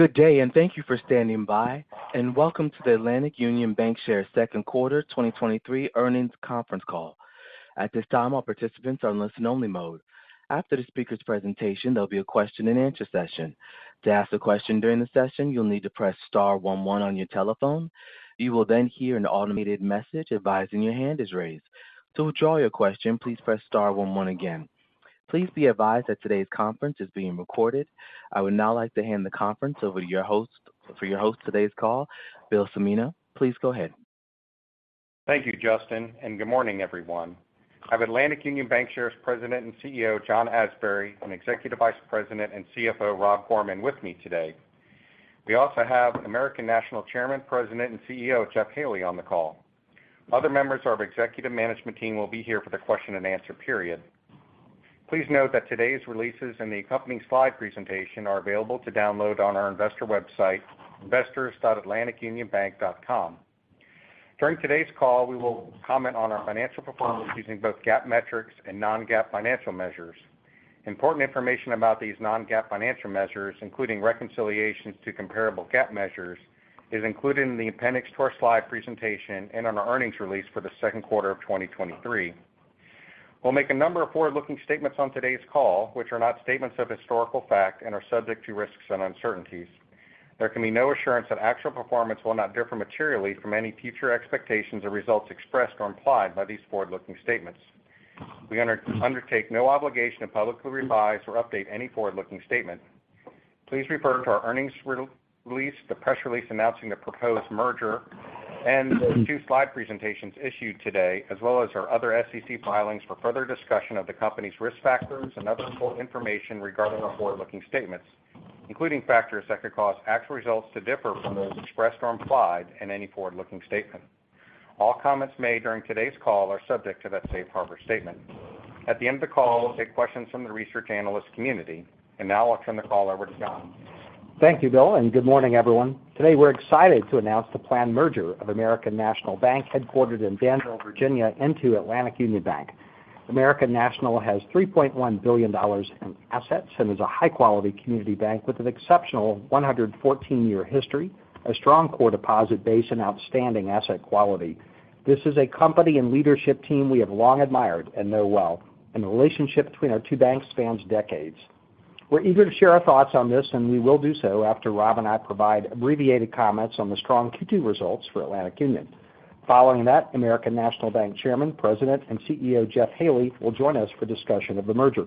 Good day. Thank you for standing by. Welcome to the Atlantic Union Bankshares Q2 2023 earnings conference call. At this time, all participants are in listen only mode. After the speaker's presentation, there'll be a question-and-answer session. To ask a question during the session, you'll need to press star 11 on your telephone. You will hear an automated message advising your hand is raised. To withdraw your question, please press star 11 again. Please be advised that today's conference is being recorded. I would now like to hand the conference over to your host for today's call, Bill Cimino. Please go ahead. Thank you, Justin. Good morning, everyone. I have Atlantic Union Bankshares' President and CEO, John Asbury, and Executive Vice President and CFO, Rob Gorman, with me today. We also have American National Chairman, President, and CEO, Jeff Haley, on the call. Other members of our executive management team will be here for the question-and-answer period. Please note that today's releases and the accompanying slide presentation are available to download on our investor website, investors.atlanticunionbank.com. During today's call, we will comment on our financial performance using both GAAP metrics and non-GAAP financial measures. Important information about these non-GAAP financial measures, including reconciliations to comparable GAAP measures, is included in the appendix to our slide presentation and on our earnings release for the Q2 of 2023. We'll make a number of forward-looking statements on today's call, which are not statements of historical fact and are subject to risks and uncertainties. There can be no assurance that actual performance will not differ materially from any future expectations or results expressed or implied by these forward-looking statements. We undertake no obligation to publicly revise or update any forward-looking statement. Please refer to our earnings release, the press release announcing the proposed merger, and the two slide presentations issued today, as well as our other SEC filings for further discussion of the company's risk factors and other important information regarding our forward-looking statements, including factors that could cause actual results to differ from those expressed or implied in any forward-looking statement. All comments made during today's call are subject to that safe harbor statement. At the end of the call, we'll take questions from the research analyst community. Now I'll turn the call over to John. Thank you, Bill, and good morning, everyone. Today, we're excited to announce the planned merger of American National Bank, headquartered in Danville, Virginia, into Atlantic Union Bank. American National has $3.1 billion in assets and is a high-quality community bank with an exceptional 114-year history, a strong core deposit base, and outstanding asset quality. This is a company and leadership team we have long admired and know well, and the relationship between our two banks spans decades. We're eager to share our thoughts on this, and we will do so after Rob and I provide abbreviated comments on the strong Q2 results for Atlantic Union. Following that, American National Bank Chairman, President, and CEO, Jeff Haley, will join us for discussion of the merger.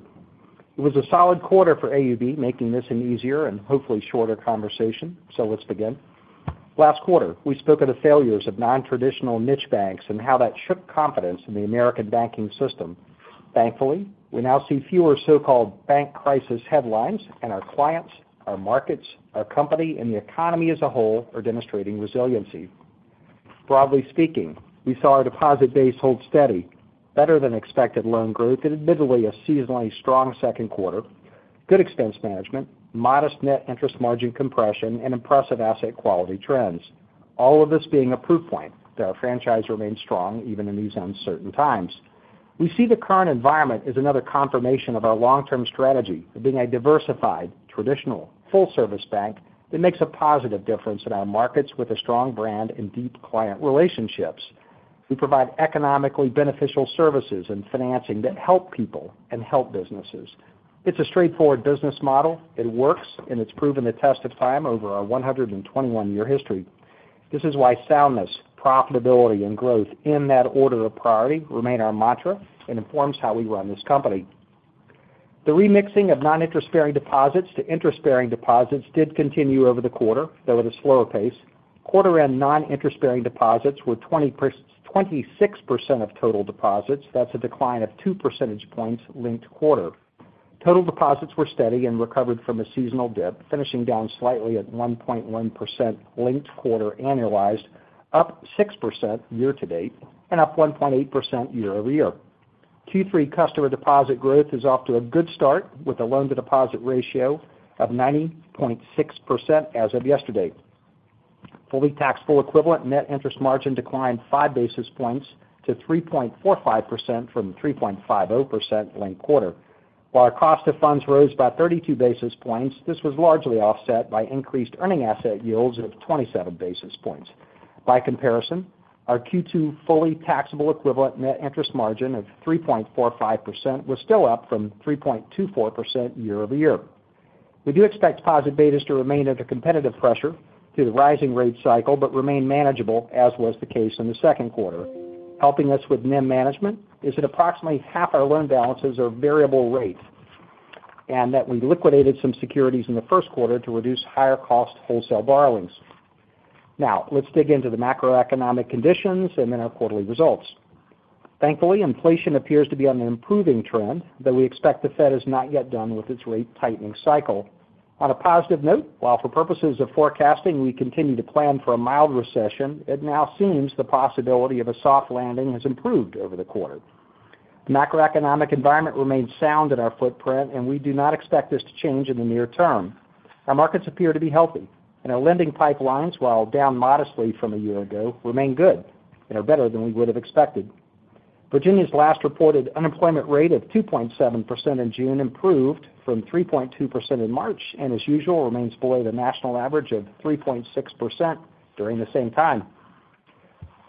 It was a solid quarter for AUB, making this an easier and hopefully shorter conversation. Let's begin. Last quarter, we spoke of the failures of nontraditional niche banks and how that shook confidence in the American banking system. Thankfully, we now see fewer so-called bank crisis headlines, and our clients, our markets, our company, and the economy as a whole are demonstrating resiliency. Broadly speaking, we saw our deposit base hold steady, better than expected loan growth and admittedly a seasonally strong Q2, good expense management, modest net interest margin compression, and impressive asset quality trends. All of this being a proof point that our franchise remains strong even in these uncertain times. We see the current environment as another confirmation of our long-term strategy of being a diversified, traditional, full-service bank that makes a positive difference in our markets with a strong brand and deep client relationships. We provide economically beneficial services and financing that help people and help businesses. It's a straightforward business model. It works, and it's proven the test of time over our 121-year history. This is why soundness, profitability, and growth in that order of priority remain our mantra and informs how we run this company. The remixing of non-interest-bearing deposits to interest-bearing deposits did continue over the quarter, though at a slower pace. Quarter-end non-interest-bearing deposits were 26% of total deposits. That's a decline of 2 percentage points linked-quarter. Total deposits were steady and recovered from a seasonal dip, finishing down slightly at 1.1% linked-quarter annualized, up 6% year-to-date and up 1.8% year-over-year. Q3 customer deposit growth is off to a good start with a loan-to-deposit ratio of 90.6% as of yesterday. Fully taxable equivalent net interest margin declined 5 basis points to 3.45% from 3.50% linked quarter. While our cost of funds rose by 32 basis points, this was largely offset by increased earning asset yields of 27 basis points. By comparison, our Q2 fully taxable equivalent net interest margin of 3.45% was still up from 3.24% year-over-year. We do expect deposit betas to remain under competitive pressure due to the rising rate cycle, but remain manageable, as was the case in the Q2. Helping us with NIM management is that approximately half our loan balances are variable rate, and that we liquidated some securities in the Q1 to reduce higher-cost wholesale borrowings. Let's dig into the macroeconomic conditions and then our quarterly results. Thankfully, inflation appears to be on an improving trend, though we expect the Fed is not yet done with its rate tightening cycle. On a positive note, while for purposes of forecasting, we continue to plan for a mild recession, it now seems the possibility of a soft landing has improved over the quarter. The macroeconomic environment remains sound in our footprint. We do not expect this to change in the near term. Our markets appear to be healthy. Our lending pipelines, while down modestly from a year ago, remain good and are better than we would have expected. Virginia's last reported unemployment rate of 2.7% in June improved from 3.2% in March, and as usual, remains below the national average of 3.6% during the same time.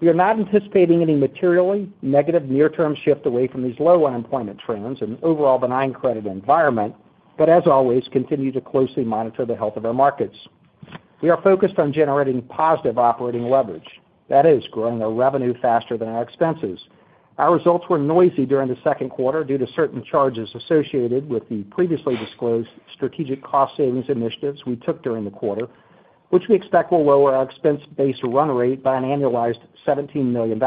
We are not anticipating any materially negative near-term shift away from these low unemployment trends and overall benign credit environment, but as always, continue to closely monitor the health of our markets. We are focused on generating positive operating leverage, that is, growing our revenue faster than our expenses. Our results were noisy during the Q2 due to certain charges associated with the previously disclosed strategic cost savings initiatives we took during the quarter, which we expect will lower our expense base run rate by an annualized $17 million.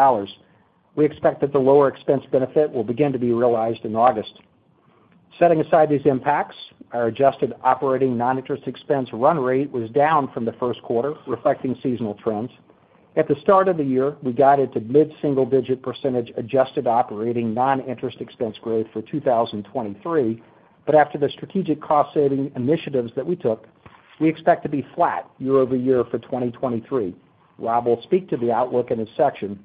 We expect that the lower expense benefit will begin to be realized in August. Setting aside these impacts, our adjusted operating non-interest expense run rate was down from the Q1, reflecting seasonal trends. At the start of the year, we guided to mid-single digit % adjusted operating noninterest expense growth for 2023. After the strategic cost-saving initiatives that we took, we expect to be flat year-over-year for 2023. Rob will speak to the outlook in his section.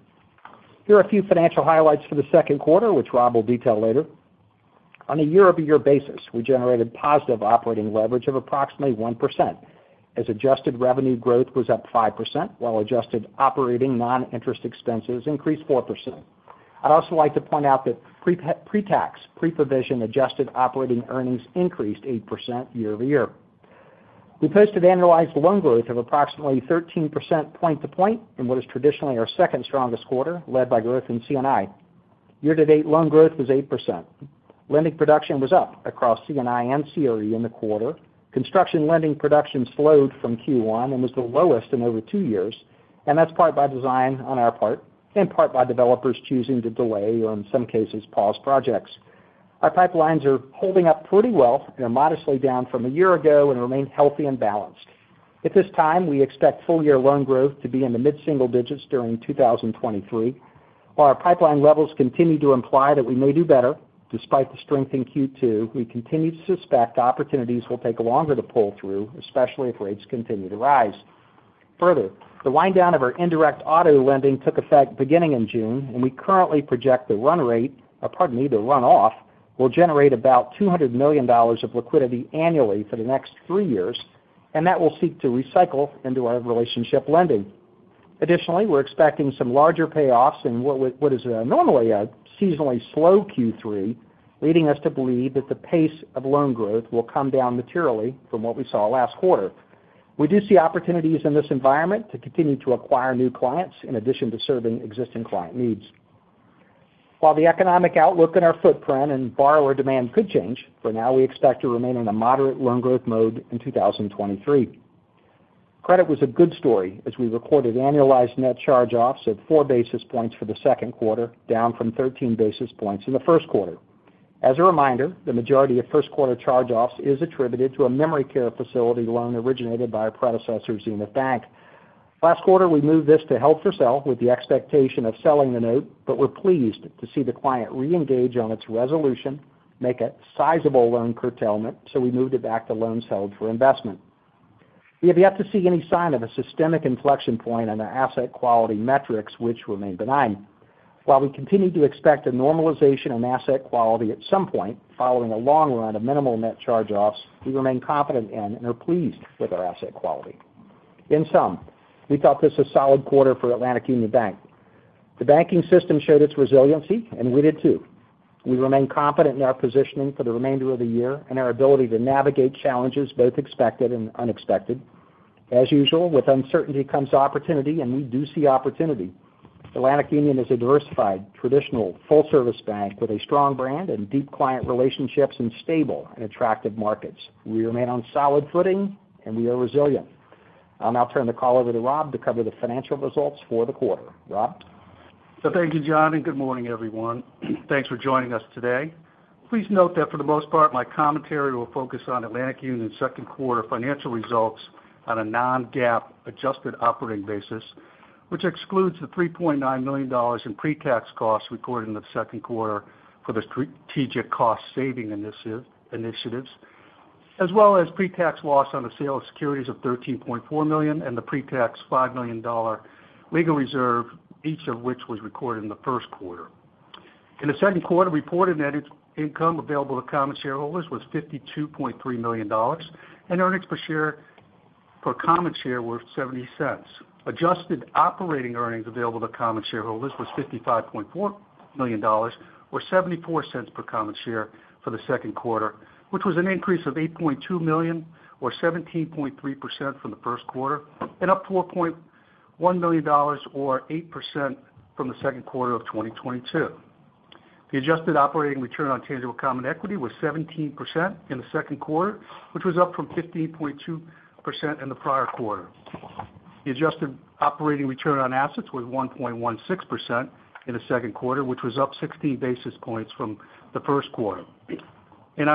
Here are a few financial highlights for the Q2, which Rob will detail later. On a year-over-year basis, we generated positive operating leverage of approximately 1%, as adjusted revenue growth was up 5%, while adjusted operating noninterest expenses increased 4%. I'd also like to point out that pretax, preprovision adjusted operating earnings increased 8% year-over-year. We posted annualized loan growth of approximately 13% point to point in what is traditionally our second strongest quarter, led by growth in C&I. Year-to-date loan growth was 8%. Lending production was up across C&I and CRE in the quarter. Construction lending production slowed from Q1 and was the lowest in over two years. That's part by design on our part and part by developers choosing to delay or in some cases, pause projects. Our pipelines are holding up pretty well. They're modestly down from a year ago and remain healthy and balanced. At this time, we expect full year loan growth to be in the mid-single digits during 2023. While our pipeline levels continue to imply that we may do better despite the strength in Q2, we continue to suspect opportunities will take longer to pull through, especially if rates continue to rise. Further, the wind down of our indirect auto lending took effect beginning in June, and we currently project the run off will generate about $200 million of liquidity annually for the next 3 years, and that will seek to recycle into our relationship lending. Additionally, we're expecting some larger payoffs in what what is normally a seasonally slow Q3, leading us to believe that the pace of loan growth will come down materially from what we saw last quarter. We do see opportunities in this environment to continue to acquire new clients in addition to serving existing client needs. While the economic outlook in our footprint and borrower demand could change, for now, we expect to remain in a moderate loan growth mode in 2023. Credit was a good story, as we recorded annualized net charge-offs of 4 basis points for the Q2, down from 13 basis points in the Q1. As a reminder, the majority of Q1 charge-offs is attributed to a memory care facility loan originated by our predecessor, Xenith Bank. Last quarter, we moved this to held for sale with the expectation of selling the note, but we're pleased to see the client reengage on its resolution, make a sizable loan curtailment, so we moved it back to loans held for investment. We have yet to see any sign of a systemic inflection point on the asset quality metrics, which remain benign. While we continue to expect a normalization in asset quality at some point, following a long run of minimal net charge-offs, we remain confident in and are pleased with our asset quality. In sum, we thought this a solid quarter for Atlantic Union Bank. The banking system showed its resiliency, we did, too. We remain confident in our positioning for the remainder of the year and our ability to navigate challenges, both expected and unexpected. As usual, with uncertainty comes opportunity, we do see opportunity. Atlantic Union is a diversified, traditional, full-service bank with a strong brand and deep client relationships in stable and attractive markets. We remain on solid footing, we are resilient. I'll now turn the call over to Rob to cover the financial results for the quarter. Rob? Thank you, John, and good morning, everyone. Thanks for joining us today. Please note that for the most part, my commentary will focus on Atlantic Union's Q2 financial results on a non-GAAP adjusted operating basis, which excludes the $3.9 million in pre-tax costs recorded in the Q2 for the strategic cost saving initiatives, as well as pre-tax loss on the sale of securities of $13.4 million and the pre-tax $5 million legal reserve, each of which was recorded in the Q1. In the Q2, reported net income available to common shareholders was $52.3 million, and earnings per share, per common share were $0.70. Adjusted operating earnings available to common shareholders was $55.4 million, or $0.74 per common share for the Q2, which was an increase of $8.2 million or 17.3% from the Q1, and up $4.1 million or 8% from the Q2 of 2022. The adjusted operating return on tangible common equity was 17% in the Q2, which was up from 15.2% in the prior quarter. The adjusted operating return on assets was 1.16% in the Q2, which was up 60 basis points from the Q1. On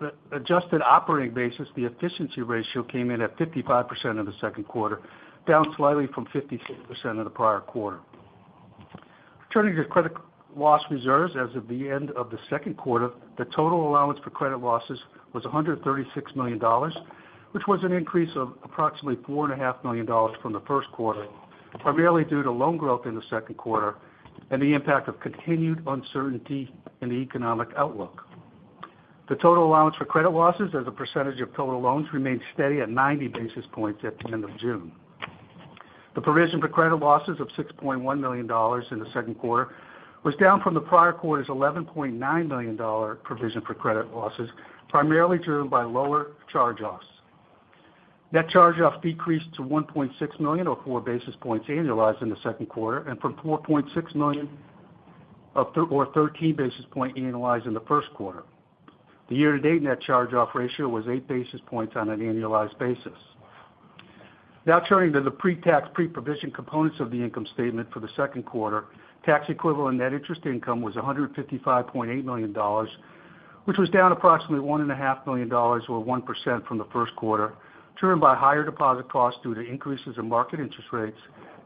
an adjusted operating basis, the efficiency ratio came in at 55% in the Q2, down slightly from 56% in the prior quarter. Turning to credit loss reserves, as of the end of the Q2, the total allowance for credit losses was $136 million. Which was an increase of approximately $4.5 million from the Q1, primarily due to loan growth in the Q2 and the impact of continued uncertainty in the economic outlook. The total allowance for credit losses as a percentage of total loans remained steady at 90 basis points at the end of June. The provision for credit losses of $6.1 million in the Q2 was down from the prior quarter's $11.9 million provision for credit losses, primarily driven by lower charge-offs. Net charge-offs decreased to $1.6 million or 4 basis points annualized in the Q2, from $4.6 million or 13 basis points annualized in the Q1. The year-to-date net charge-off ratio was 8 basis points on an annualized basis. Now turning to the pretax pre-provision components of the income statement for the Q2. Tax-equivalent net interest income was $155.8 million, which was down approximately one and a half million dollars or 1% from the Q1, driven by higher deposit costs due to increases in market interest rates,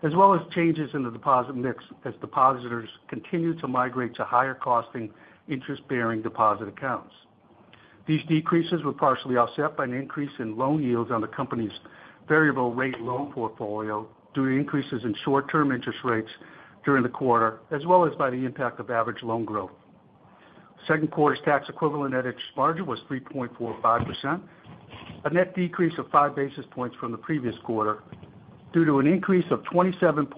as well as changes in the deposit mix as depositors continue to migrate to higher-costing interest-bearing deposit accounts. These decreases were partially offset by an increase in loan yields on the company's variable rate loan portfolio, due to increases in short-term interest rates during the quarter, as well as by the impact of average loan growth. Q2's tax-equivalent net interest margin was 3.45%, a net decrease of 5 basis points from the previous quarter, due to an increase of 27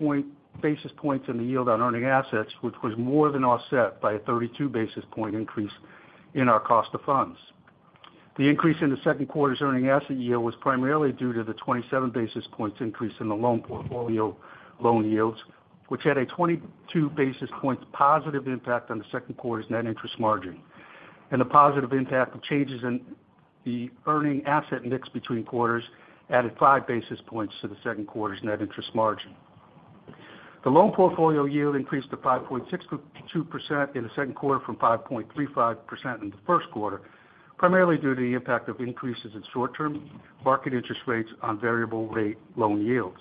basis points in the yield on earning assets, which was more than offset by a 32 basis point increase in our cost of funds. The increase in the Q2's earning asset yield was primarily due to the 27 basis points increase in the loan portfolio loan yields, which had a 22 basis points positive impact on the Q2's net interest margin. The positive impact of changes in the earning asset mix between quarters added 5 basis points to the Q2's net interest margin. The loan portfolio yield increased to 5.62% in the Q2 from 5.35% in the Q1, primarily due to the impact of increases in short-term market interest rates on variable rate loan yields.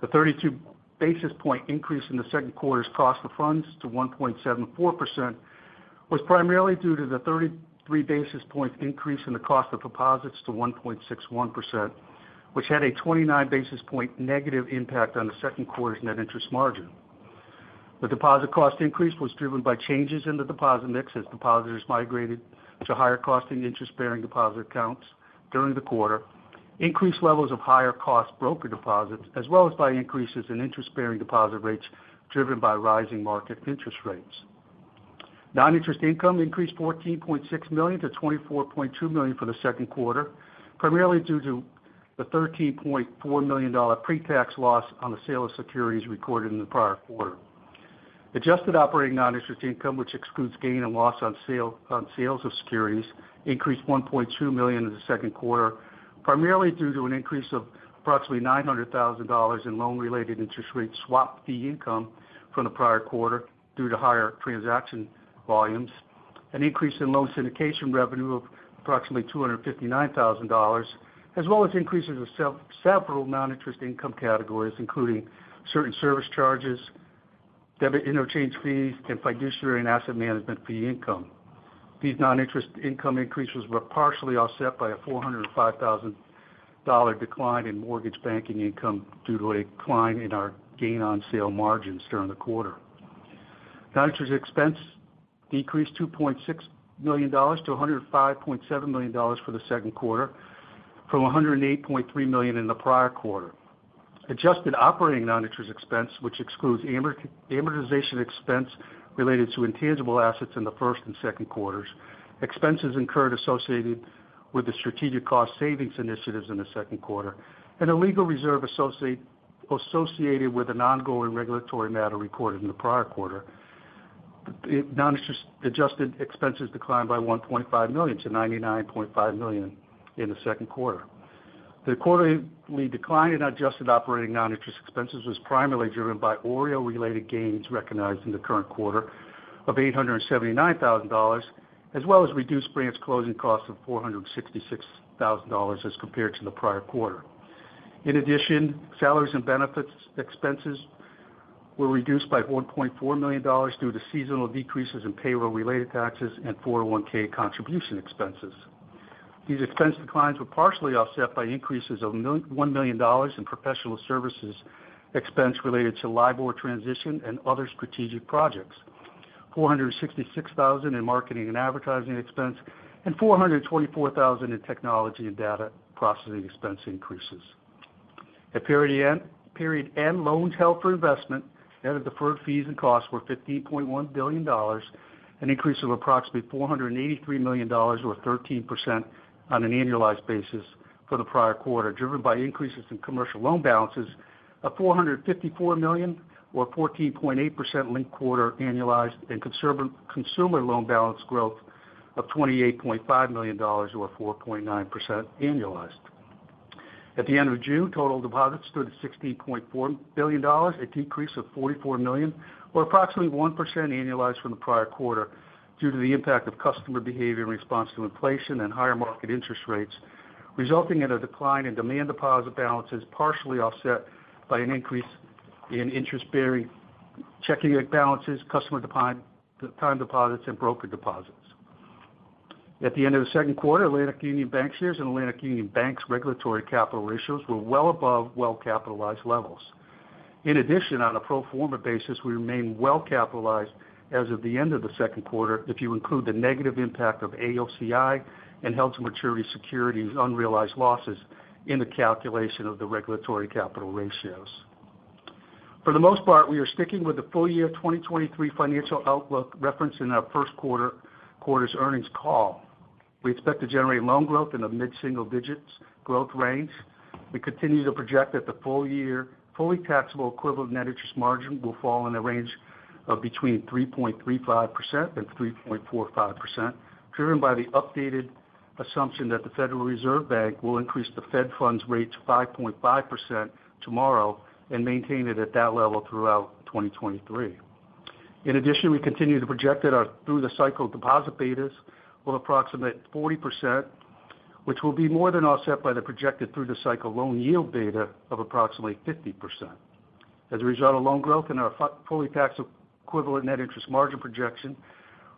The 32 basis point increase in the Q2's cost of funds to 1.74% was primarily due to the 33 basis points increase in the cost of deposits to 1.61%, which had a 29 basis point negative impact on the Q2's net interest margin. The deposit cost increase was driven by changes in the deposit mix as depositors migrated to higher-costing interest-bearing deposit accounts during the quarter, increased levels of higher cost brokered deposits, as well as by increases in interest-bearing deposit rates driven by rising market interest rates. Non-interest income increased $14.6 million to $24.2 million for the Q2, primarily due to the $13.4 million pre-tax loss on the sale of securities recorded in the prior quarter. Adjusted operating non-interest income, which excludes gain and loss on sales of securities, increased $1.2 million in the Q2, primarily due to an increase of approximately $900,000 in loan-related interest rate swap fee income from the prior quarter due to higher transaction volumes, an increase in loan syndication revenue of approximately $259,000, as well as increases of several non-interest income categories, including certain service charges, debit interchange fees, and fiduciary and asset management fee income. These non-interest income increases were partially offset by a $405,000 decline in mortgage banking income due to a decline in our gain-on-sale margins during the quarter. Non-interest expense decreased $2.6 million to $105.7 million for the Q2, from $108.3 million in the prior quarter. Adjusted operating non-interest expense, which excludes amortization expense related to intangible assets in the Q1 and Q2s, expenses incurred associated with the strategic cost savings initiatives in the Q2, and a legal reserve associated with an ongoing regulatory matter recorded in the prior quarter. The non-interest adjusted expenses declined by $1.5 million to $99.5 million in the Q2. The quarterly decline in adjusted operating non-interest expenses was primarily driven by OREO-related gains recognized in the current quarter of $879,000, as well as reduced branch closing costs of $466,000 as compared to the prior quarter. Salaries and benefits expenses were reduced by $1.4 million due to seasonal decreases in payroll-related taxes and 401(k) contribution expenses. These expense declines were partially offset by increases of $1 million in professional services expense related to LIBOR transition and other strategic projects, $466,000 in marketing and advertising expense, and $424,000 in technology and data processing expense increases. At period end, period-end loans held for investment and the deferred fees and costs were $15.1 billion, an increase of approximately $483 million or 13% on an annualized basis for the prior quarter, driven by increases in commercial loan balances of $454 million or 14.8% linked quarter annualized and consumer loan balance growth of $28.5 million or 4.9% annualized. At the end of June, total deposits stood at $16.4 billion, a decrease of $44 million or approximately 1% annualized from the prior quarter due to the impact of customer behavior in response to inflation and higher market interest rates, resulting in a decline in demand deposit balances, partially offset by an increase in interest-bearing checking balances, customer time deposits, and brokered deposits. At the end of the Q2, Atlantic Union Bankshares and Atlantic Union Bank's regulatory capital ratios were well above well-capitalized levels. In addition, on a pro forma basis, we remain well-capitalized as of the end of the Q2 if you include the negative impact of AOCI and held-to-maturity securities' unrealized losses in the calculation of the regulatory capital ratios. For the most part, we are sticking with the full-year 2023 financial outlook referenced in our Q1's earnings call. We expect to generate loan growth in the mid-single digits growth range. We continue to project that the full year, fully taxable equivalent net interest margin will fall in the range of between 3.35% and 3.45%, driven by the updated assumption that the Federal Reserve Bank will increase the Fed funds rate to 5.5% tomorrow and maintain it at that level throughout 2023. In addition, we continue to project that our through-the-cycle deposit betas will approximate 40%, which will be more than offset by the projected through-the-cycle loan yield beta of approximately 50%. As a result of loan growth and our fully taxed equivalent net interest margin projection,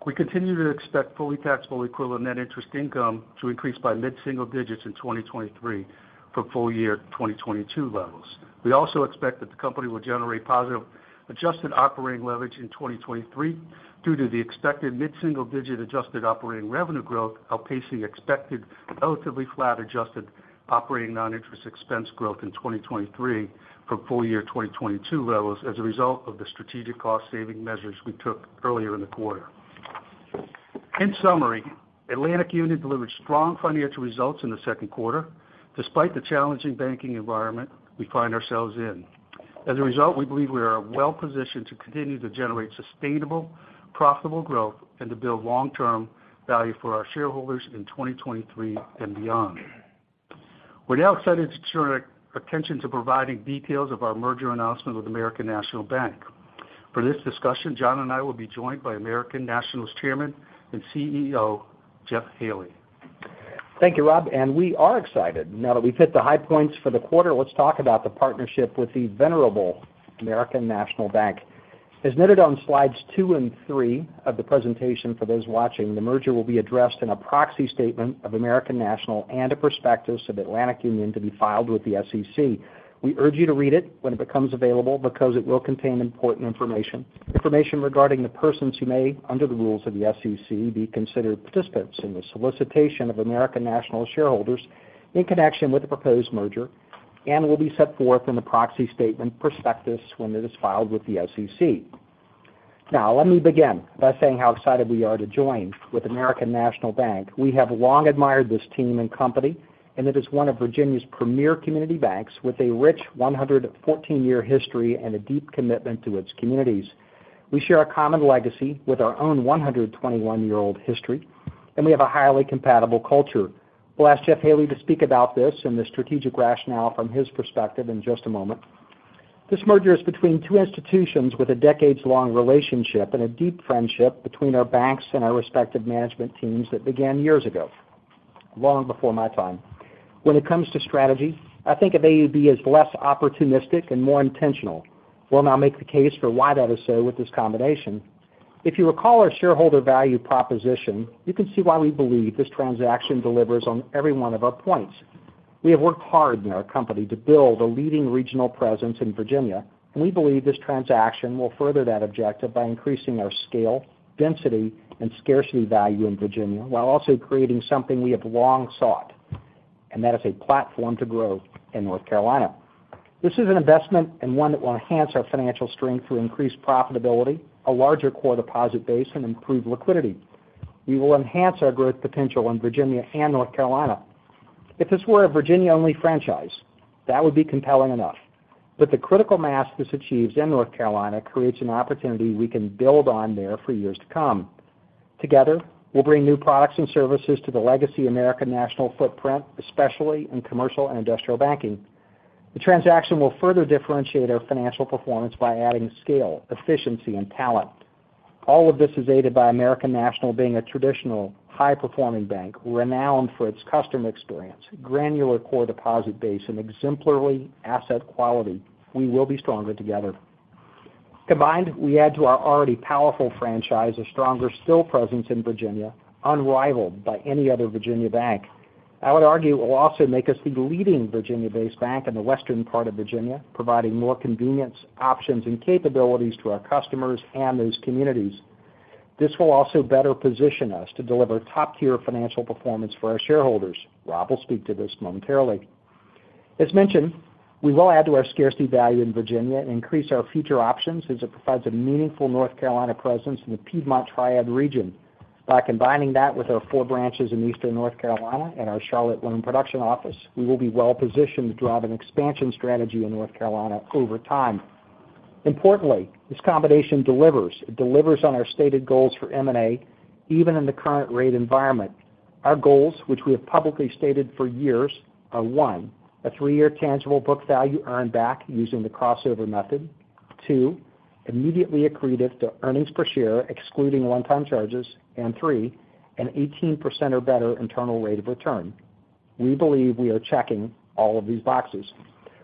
we continue to expect fully taxable equivalent net interest income to increase by mid-single digits in 2023 from full-year 2022 levels. We also expect that the company will generate positive adjusted operating leverage in 2023 due to the expected mid-single digit adjusted operating revenue growth, outpacing expected relatively flat adjusted operating non-interest expense growth in 2023 from full-year 2022 levels as a result of the strategic cost-saving measures we took earlier in the quarter. In summary, Atlantic Union delivered strong financial results in the Q2, despite the challenging banking environment we find ourselves in. As a result, we believe we are well positioned to continue to generate sustainable, profitable growth and to build long-term value for our shareholders in 2023 and beyond. We're now excited to turn our attention to providing details of our merger announcement with American National Bank. For this discussion, John and I will be joined by American National's Chairman and CEO, Jeff Haley. Thank you, Rob. We are excited. Now that we've hit the high points for the quarter, let's talk about the partnership with the venerable American National Bank. As noted on slides two and three of the presentation for those watching, the merger will be addressed in a proxy statement of American National and a prospectus of Atlantic Union to be filed with the SEC. We urge you to read it when it becomes available because it will contain important information. Information regarding the persons who may, under the rules of the SEC, be considered participants in the solicitation of American National shareholders in connection with the proposed merger and will be set forth in the proxy statement prospectus when it is filed with the SEC. Let me begin by saying how excited we are to join with American National Bank. We have long admired this team and company, and it is one of Virginia's premier community banks with a rich 114-year history and a deep commitment to its communities. We share a common legacy with our own 121-year-old history, and we have a highly compatible culture. We'll ask Jeff Haley to speak about this and the strategic rationale from his perspective in just a moment. This merger is between two institutions with a decades-long relationship and a deep friendship between our banks and our respective management teams that began years ago, long before my time. When it comes to strategy, I think of AUB as less opportunistic and more intentional. We'll now make the case for why that is so with this combination. If you recall our shareholder value proposition, you can see why we believe this transaction delivers on every one of our points. We have worked hard in our company to build a leading regional presence in Virginia. We believe this transaction will further that objective by increasing our scale, density, and scarcity value in Virginia, while also creating something we have long sought, and that is a platform to grow in North Carolina. This is an investment and one that will enhance our financial strength through increased profitability, a larger core deposit base, and improved liquidity. We will enhance our growth potential in Virginia and North Carolina. If this were a Virginia-only franchise, that would be compelling enough. The critical mass this achieves in North Carolina creates an opportunity we can build on there for years to come. Together, we'll bring new products and services to the legacy American National footprint, especially in commercial and industrial banking. The transaction will further differentiate our financial performance by adding scale, efficiency, and talent. All of this is aided by American National being a traditional, high-performing bank, renowned for its customer experience, granular core deposit base, and exemplary asset quality. We will be stronger together. Combined, we add to our already powerful franchise a stronger still presence in Virginia, unrivaled by any other Virginia bank. I would argue it will also make us the leading Virginia-based bank in the western part of Virginia, providing more convenience, options, and capabilities to our customers and those communities. This will also better position us to deliver top-tier financial performance for our shareholders. Rob will speak to this momentarily. As mentioned, we will add to our scarcity value in Virginia and increase our future options as it provides a meaningful North Carolina presence in the Piedmont Triad region. By combining that with our 4 branches in Eastern North Carolina and our Charlotte loan production office, we will be well positioned to drive an expansion strategy in North Carolina over time. Importantly, this combination delivers. It delivers on our stated goals for M&A, even in the current rate environment. Our goals, which we have publicly stated for years, are, 1, a 3-year tangible book value earned back using the crossover method; 2, immediately accretive to earnings per share, excluding one-time charges; and 3, an 18% or better internal rate of return. We believe we are checking all of these boxes.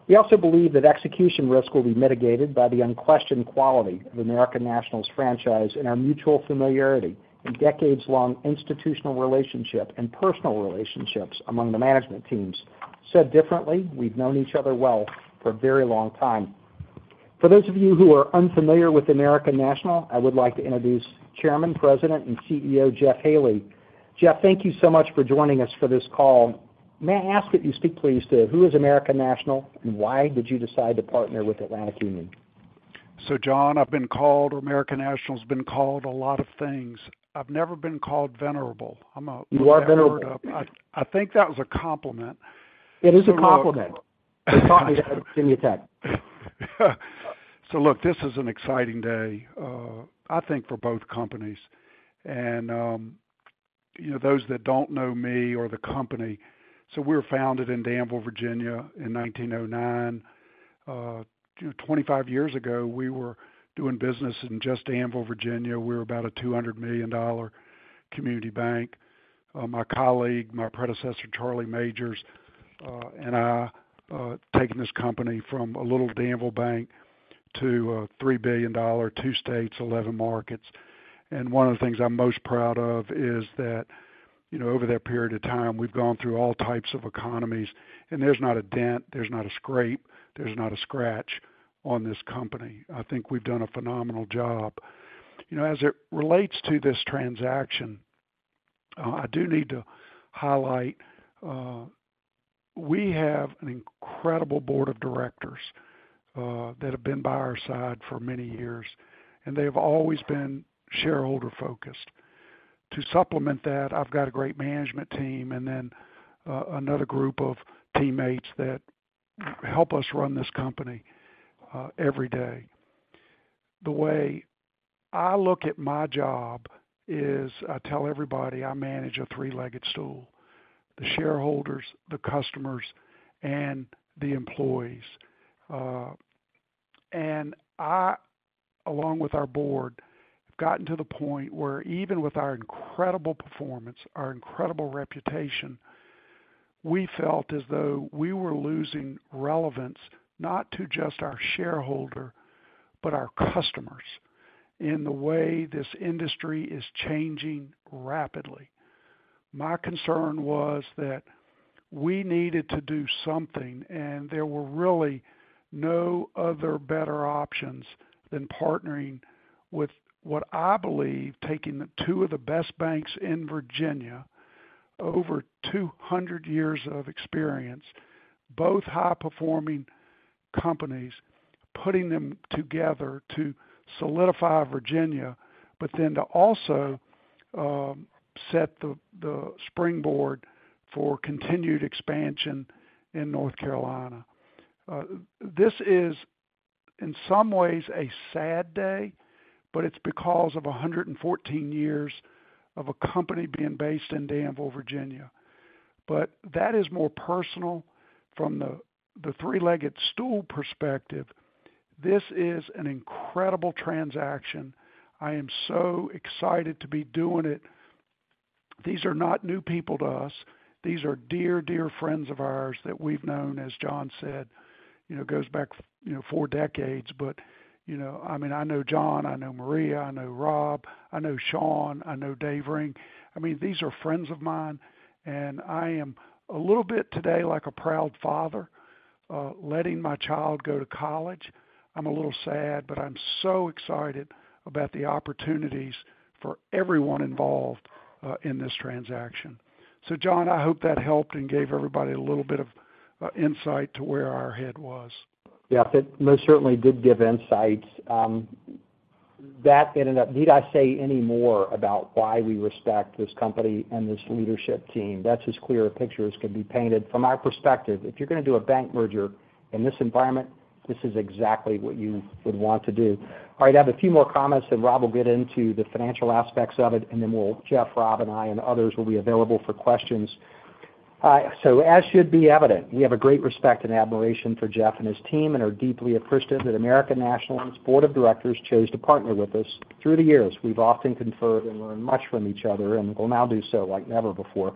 We also believe that execution risk will be mitigated by the unquestioned quality of American National's franchise and our mutual familiarity and decades-long institutional relationship and personal relationships among the management teams. Said differently, we've known each other well for a very long time. For those of you who are unfamiliar with American National, I would like to introduce Chairman, President, and CEO, Jeff Haley. Jeff, thank you so much for joining us for this call. May I ask that you speak, please, to who is American National, and why did you decide to partner with Atlantic Union? John, I've been called, or American National's been called a lot of things. I've never been called venerable. You are venerable. I think that was a compliment. It is a compliment. Give me a sec. Look, this is an exciting day, I think for both companies. You know, those that don't know me or the company, so we were founded in Danville, Virginia, in 1909. 25 years ago, we were doing business in just Danville, Virginia. We were about a $200 million community bank. My colleague, my predecessor, Charlie Majors, and I, taken this company from a little Danville bank to a $3 billion, 2 states, 11 markets. One of the things I'm most proud of is that, you know, over that period of time, we've gone through all types of economies, and there's not a dent, there's not a scrape, there's not a scratch on this company. I think we've done a phenomenal job. You know, as it relates to this transaction, I do need to highlight, we have an incredible board of directors that have been by our side for many years, and they've always been shareholder-focused. To supplement that, I've got a great management team and then, another group of teammates that help us run this company every day. The way I look at my job is I tell everybody I manage a three-legged stool, the shareholders, the customers, and the employees. I, along with our board, have gotten to the point where even with our incredible performance, our incredible reputation, we felt as though we were losing relevance, not to just our shareholder, but our customers in the way this industry is changing rapidly. My concern was that we needed to do something. There were really no other better options than partnering with what I believe, taking the two of the best banks in Virginia, over 200 years of experience, both high-performing companies, putting them together to solidify Virginia. Then to also, set the springboard for continued expansion in North Carolina. This is, in some ways, a sad day, but it's because of 114 years of a company being based in Danville, Virginia. That is more personal from the three-legged stool perspective. This is an incredible transaction. I am so excited to be doing it. These are not new people to us. These are dear friends of ours that we've known, as John said, you know, goes back, you know, four decades. You know, I mean, I know John, I know Maria, I know Rob, I know Shawn, I know Dave Ring. I mean, these are friends of mine, and I am a little bit today like a proud father, letting my child go to college. I'm a little sad, but I'm so excited about the opportunities for everyone involved, in this transaction. John, I hope that helped and gave everybody a little bit of insight to where our head was. Yeah, that most certainly did give insights. Need I say any more about why we respect this company and this leadership team? That's as clear a picture as can be painted. From our perspective, if you're going to do a bank merger in this environment, this is exactly what you would want to do. All right, I have a few more comments, then Rob will get into the financial aspects of it, and then Jeff, Rob, and I, and others will be available for questions. As should be evident, we have a great respect and admiration for Jeff and his team and are deeply appreciative that American National's board of directors chose to partner with us. Through the years, we've often conferred and learned much from each other and will now do so like never before.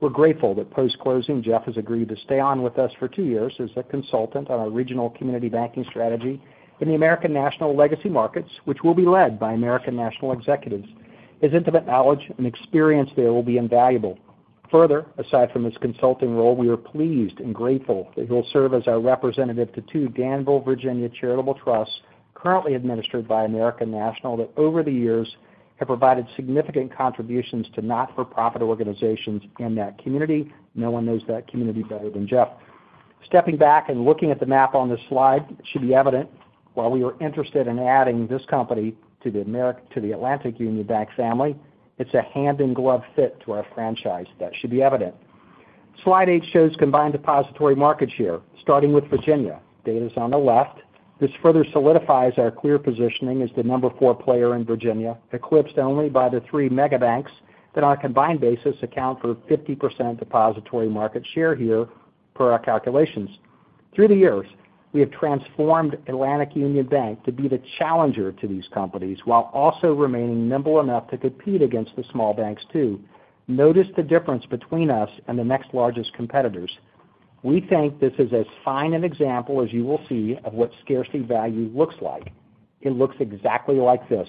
We're grateful that post-closing, Jeff has agreed to stay on with us for two years as a consultant on our regional community banking strategy in the American National legacy markets, which will be led by American National executives. His intimate knowledge and experience there will be invaluable. Aside from his consulting role, we are pleased and grateful that he'll serve as our representative to two Danville, Virginia charitable trusts, currently administered by American National, that over the years, have provided significant contributions to not-for-profit organizations in that community. No one knows that community better than Jeff. Stepping back and looking at the map on this slide, it should be evident while we were interested in adding this company to the Atlantic Union Bank family, it's a hand-in-glove fit to our franchise. That should be evident. Slide eight shows combined depository market share, starting with Virginia. Data is on the left. This further solidifies our clear positioning as the number four player in Virginia, eclipsed only by the three mega banks that, on a combined basis, account for 50% depository market share here per our calculations. Through the years, we have transformed Atlantic Union Bank to be the challenger to these companies, while also remaining nimble enough to compete against the small banks, too. Notice the difference between us and the next largest competitors. We think this is as fine an example as you will see of what scarcity value looks like. It looks exactly like this.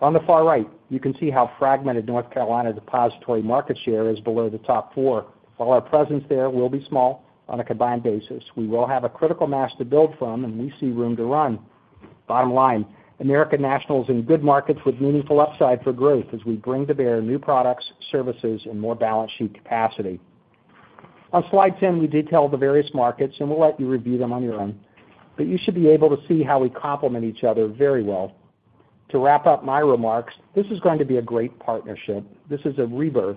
On the far right, you can see how fragmented North Carolina depository market share is below the top four. While our presence there will be small on a combined basis, we will have a critical mass to build from, and we see room to run. Bottom line, American National is in good markets with meaningful upside for growth as we bring to bear new products, services, and more balance sheet capacity. On slide 10, we detail the various markets. We'll let you review them on your own. You should be able to see how we complement each other very well. To wrap up my remarks, this is going to be a great partnership. This is a rebirth.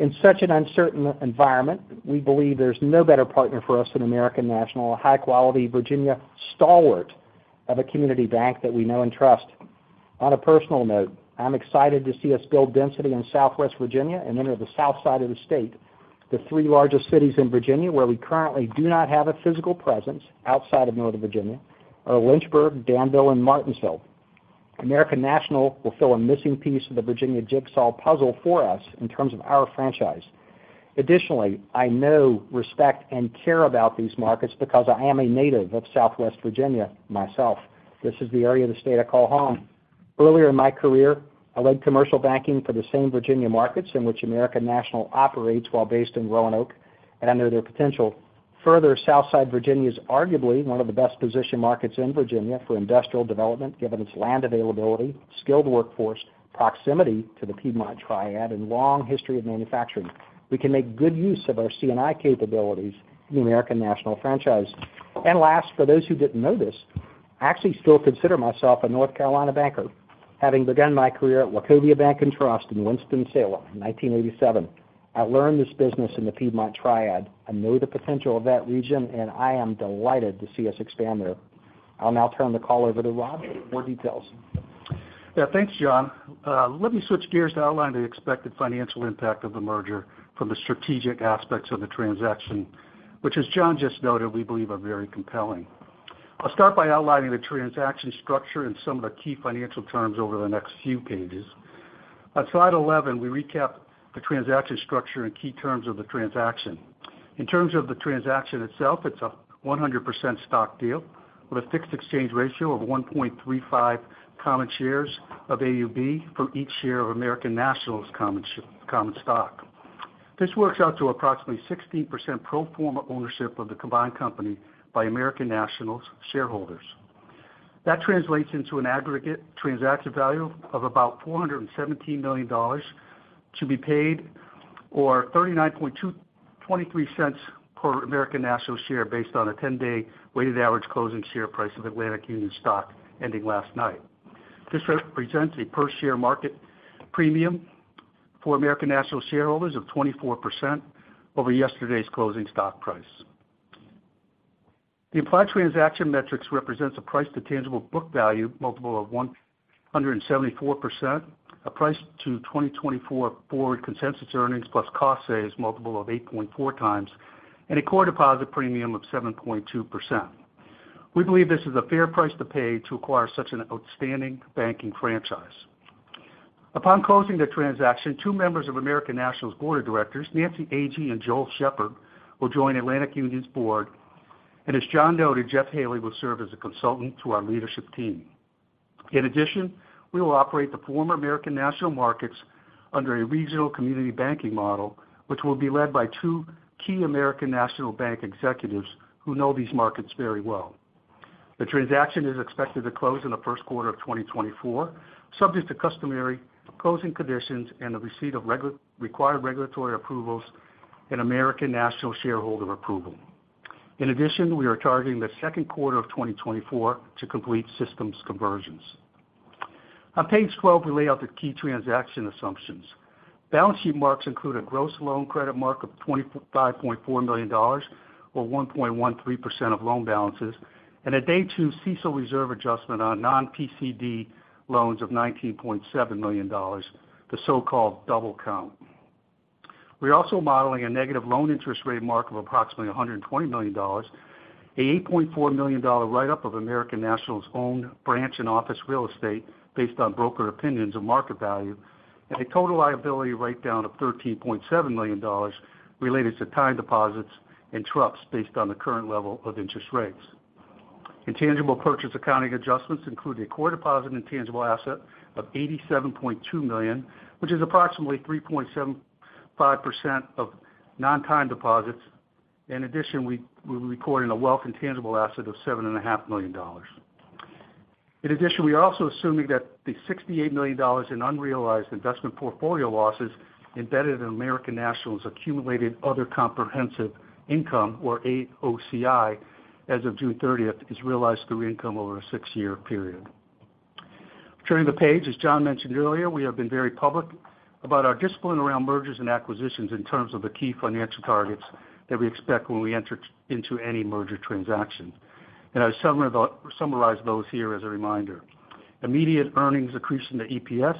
In such an uncertain environment, we believe there's no better partner for us than American National, a high-quality Virginia stalwart of a community bank that we know and trust. On a personal note, I'm excited to see us build density in Southwest Virginia and enter the south side of the state. The 3 largest cities in Virginia, where we currently do not have a physical presence outside of Northern Virginia, are Lynchburg, Danville, and Martinsville. American National will fill a missing piece of the Virginia jigsaw puzzle for us in terms of our franchise. Additionally, I know, respect, and care about these markets because I am a native of Southwest Virginia myself. This is the area of the state I call home. Earlier in my career, I led commercial banking for the same Virginia markets in which American National operates, while based in Roanoke and under their potential. Further, Southside Virginia is arguably one of the best-positioned markets in Virginia for industrial development, given its land availability, skilled workforce, proximity to the Piedmont Triad, and long history of manufacturing. We can make good use of our C&I capabilities in the American National franchise. Last, for those who didn't know this, I actually still consider myself a North Carolina banker, having begun my career at Wachovia Bank and Trust in Winston-Salem in 1987. I learned this business in the Piedmont Triad. I know the potential of that region, and I am delighted to see us expand there. I'll now turn the call over to Rob for more details. Thanks, John. Let me switch gears to outline the expected financial impact of the merger from the strategic aspects of the transaction, which, as John just noted, we believe are very compelling. I'll start by outlining the transaction structure and some of the key financial terms over the next few pages. On slide 11, we recap the transaction structure and key terms of the transaction. In terms of the transaction itself, it's a 100% stock deal with a fixed exchange ratio of 1.35 common shares of AUB for each share of American National's common stock. This works out to approximately 16% pro forma ownership of the combined company by American National's shareholders. That translates into an aggregate transaction value of about $417 million to be paid, or $0.3923 per American National share, based on a 10-day weighted average closing share price of Atlantic Union stock ending last night. This represents a per-share market premium for American National shareholders of 24% over yesterday's closing stock price. The implied transaction metrics represents a price-to-tangible book value multiple of 174%, a price to 2024 forward consensus earnings plus cost saves multiple of 8.4x, and a core deposit premium of 7.2%. We believe this is a fair price to pay to acquire such an outstanding banking franchise. Upon closing the transaction, two members of American National's board of directors, Nancy Agee and Joel Shepherd, will join Atlantic Union's board. As John noted, Jeff Haley will serve as a consultant to our leadership team. In addition, we will operate the former American National markets under a regional community banking model, which will be led by two key American National Bank executives who know these markets very well. The transaction is expected to close in the Q1 of 2024, subject to customary closing conditions and the receipt of required regulatory approvals and American National shareholder approval. In addition, we are targeting the Q2 of 2024 to complete systems conversions. On page 12, we lay out the key transaction assumptions. Balance sheet marks include a gross loan credit mark of $5.4 million, or 1.13% of loan balances, and a day two CECL reserve adjustment on non-PCD loans of $19.7 million, the so-called double count. We're also modeling a negative loan interest rate mark of approximately $120 million, a $8.4 million write-up of American National's owned branch and office real estate based on broker opinions of market value, and a total liability write-down of $13.7 million related to time deposits and trusts based on the current level of interest rates. Intangible purchase accounting adjustments include a core deposit intangible asset of $87.2 million, which is approximately 3.75% of non-time deposits. In addition, we're recording a wealth intangible asset of seven and a half million dollars. In addition, we are also assuming that the $68 million in unrealized investment portfolio losses embedded in American National's accumulated other comprehensive income, or AOCI, as of June 30th, is realized through income over a six-year period. Turning the page, as John mentioned earlier, we have been very public about our discipline around mergers and acquisitions in terms of the key financial targets that we expect when we enter into any merger transaction. I summarize those here as a reminder. Immediate earnings accretion to EPS,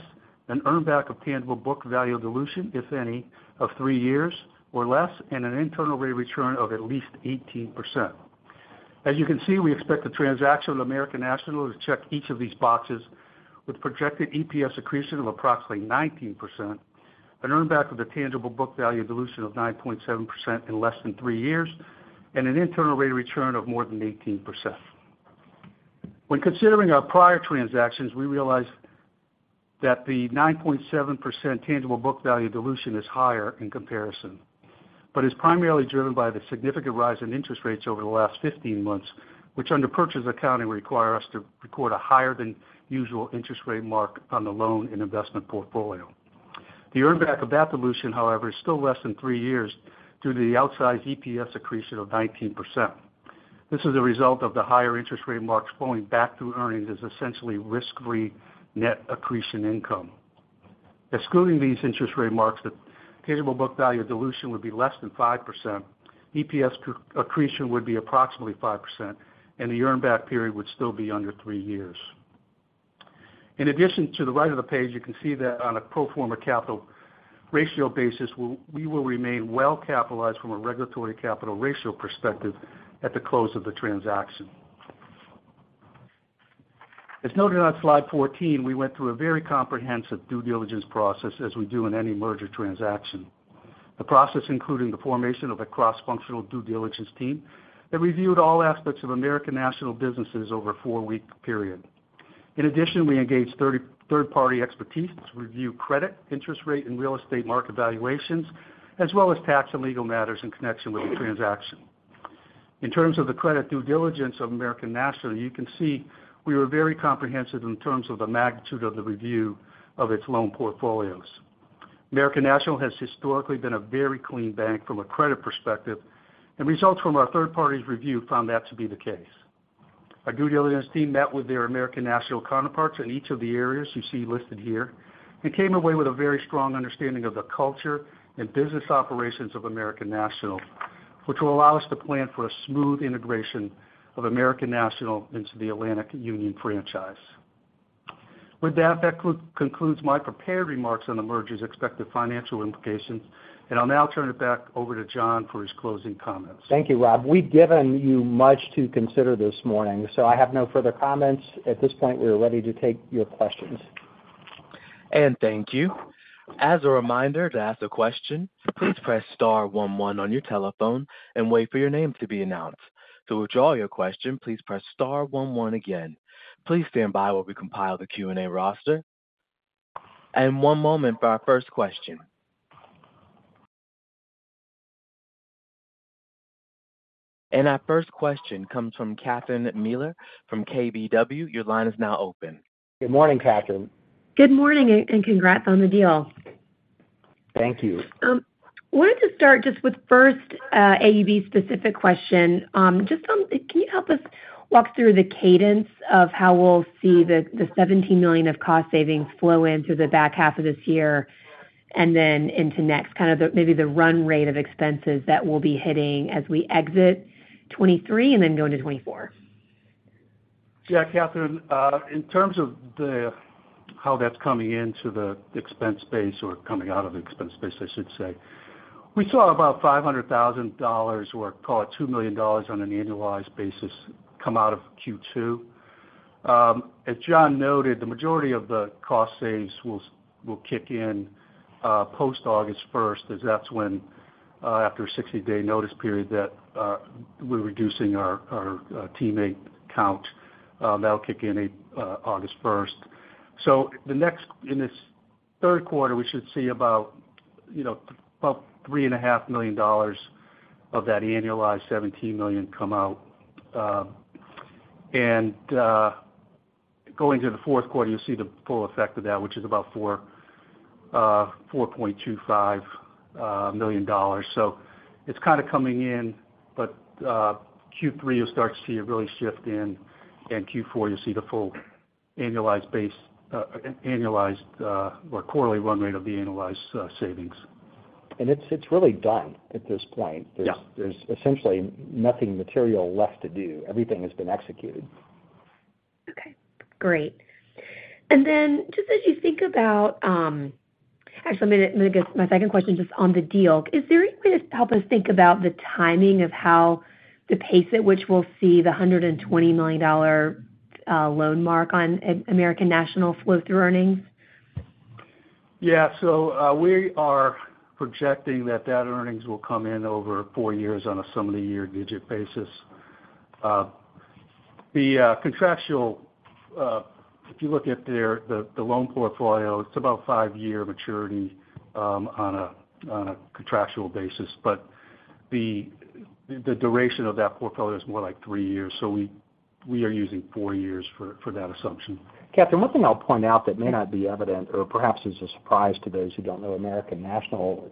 an earn back of tangible book value dilution, if any, of three years or less, an internal rate of return of at least 18%. As you can see, we expect the transaction of American National to check each of these boxes with projected EPS accretion of approximately 19%, an earn back of the tangible book value dilution of 9.7% in less than three years, an internal rate of return of more than 18%. When considering our prior transactions, we realized that the 9.7% tangible book value dilution is higher in comparison, is primarily driven by the significant rise in interest rates over the last 15 months, which, under purchase accounting, require us to record a higher than usual interest rate mark on the loan and investment portfolio. The earn back of that dilution, however, is still less than 3 years due to the outsized EPS accretion of 19%. This is a result of the higher interest rate marks flowing back through earnings as essentially risk-free net accretion income. Excluding these interest rate marks, the tangible book value of dilution would be less than 5%, EPS accretion would be approximately 5%, and the earn back period would still be under 3 years. In addition to the right of the page, you can see that on a pro forma capital ratio basis, we will remain well capitalized from a regulatory capital ratio perspective at the close of the transaction. As noted on slide 14, we went through a very comprehensive due diligence process, as we do in any merger transaction. The process, including the formation of a cross-functional due diligence team, that reviewed all aspects of American National businesses over a 4-week period. In addition, we engaged 30 third-party expertise to review credit, interest rate, and real estate market valuations, as well as tax and legal matters in connection with the transaction. In terms of the credit due diligence of American National, you can see we were very comprehensive in terms of the magnitude of the review of its loan portfolios. American National has historically been a very clean bank from a credit perspective, and results from our third party's review found that to be the case. Our due diligence team met with their American National counterparts in each of the areas you see listed here, and came away with a very strong understanding of the culture and business operations of American National, which will allow us to plan for a smooth integration of American National into the Atlantic Union franchise. With that concludes my prepared remarks on the merger's expected financial implications, and I'll now turn it back over to John for his closing comments. Thank you, Rob. We've given you much to consider this morning, so I have no further comments. At this point, we are ready to take your questions. Thank you. As a reminder, to ask a question, please press star 1 1 on your telephone and wait for your name to be announced. To withdraw your question, please press star 1 1 again. Please stand by while we compile the Q&A roster. One moment for our first question. Our first question comes from Catherine Mealor from KBW. Your line is now open. Good morning, Catherine. Good morning, and congrats on the deal. Thank you. Wanted to start just with first, AUB specific question. Can you help us walk through the cadence of how we'll see the $17 million of cost savings flow in through the back half of this year and then into next, kind of the, maybe the run rate of expenses that we'll be hitting as we exit 2023 and then go into 2024? Yeah, Kathryn, in terms of how that's coming into the expense base or coming out of the expense base, I should say, we saw about $500,000, or call it $2 million on an annualized basis, come out of Q2. As John noted, the majority of the cost savings will kick in post-August first, as that's when, after a 60-day notice period, we're reducing our teammate count. That'll kick in August first. In this Q3, we should see about, you know, about three and a half million dollars of that annualized $17 million come out. Going to the Q4, you'll see the full effect of that, which is about $4.25 million. It's kind of coming in, but, Q3, you'll start to see it really shift in, and Q4, you'll see the full annualized base, annualized, or quarterly run rate of the annualized savings. It's really done at this point. Yeah. There's essentially nothing material left to do. Everything has been executed. Okay, great. Just as you think about. Actually, I'm gonna get to my second question just on the deal. Is there anything to help us think about the timing of how the pace at which we'll see the $120 million loan mark on American National flow through earnings? Yeah. We are projecting that that earnings will come in over four years on a sum-of-the-years-digits basis. The, contractual, if you look at their, the loan portfolio, it's about five-year maturity, on a, on a contractual basis. The duration of that portfolio is more like three years. We are using four years for that assumption. Catherine, one thing I'll point out that may not be evident or perhaps is a surprise to those who don't know American National,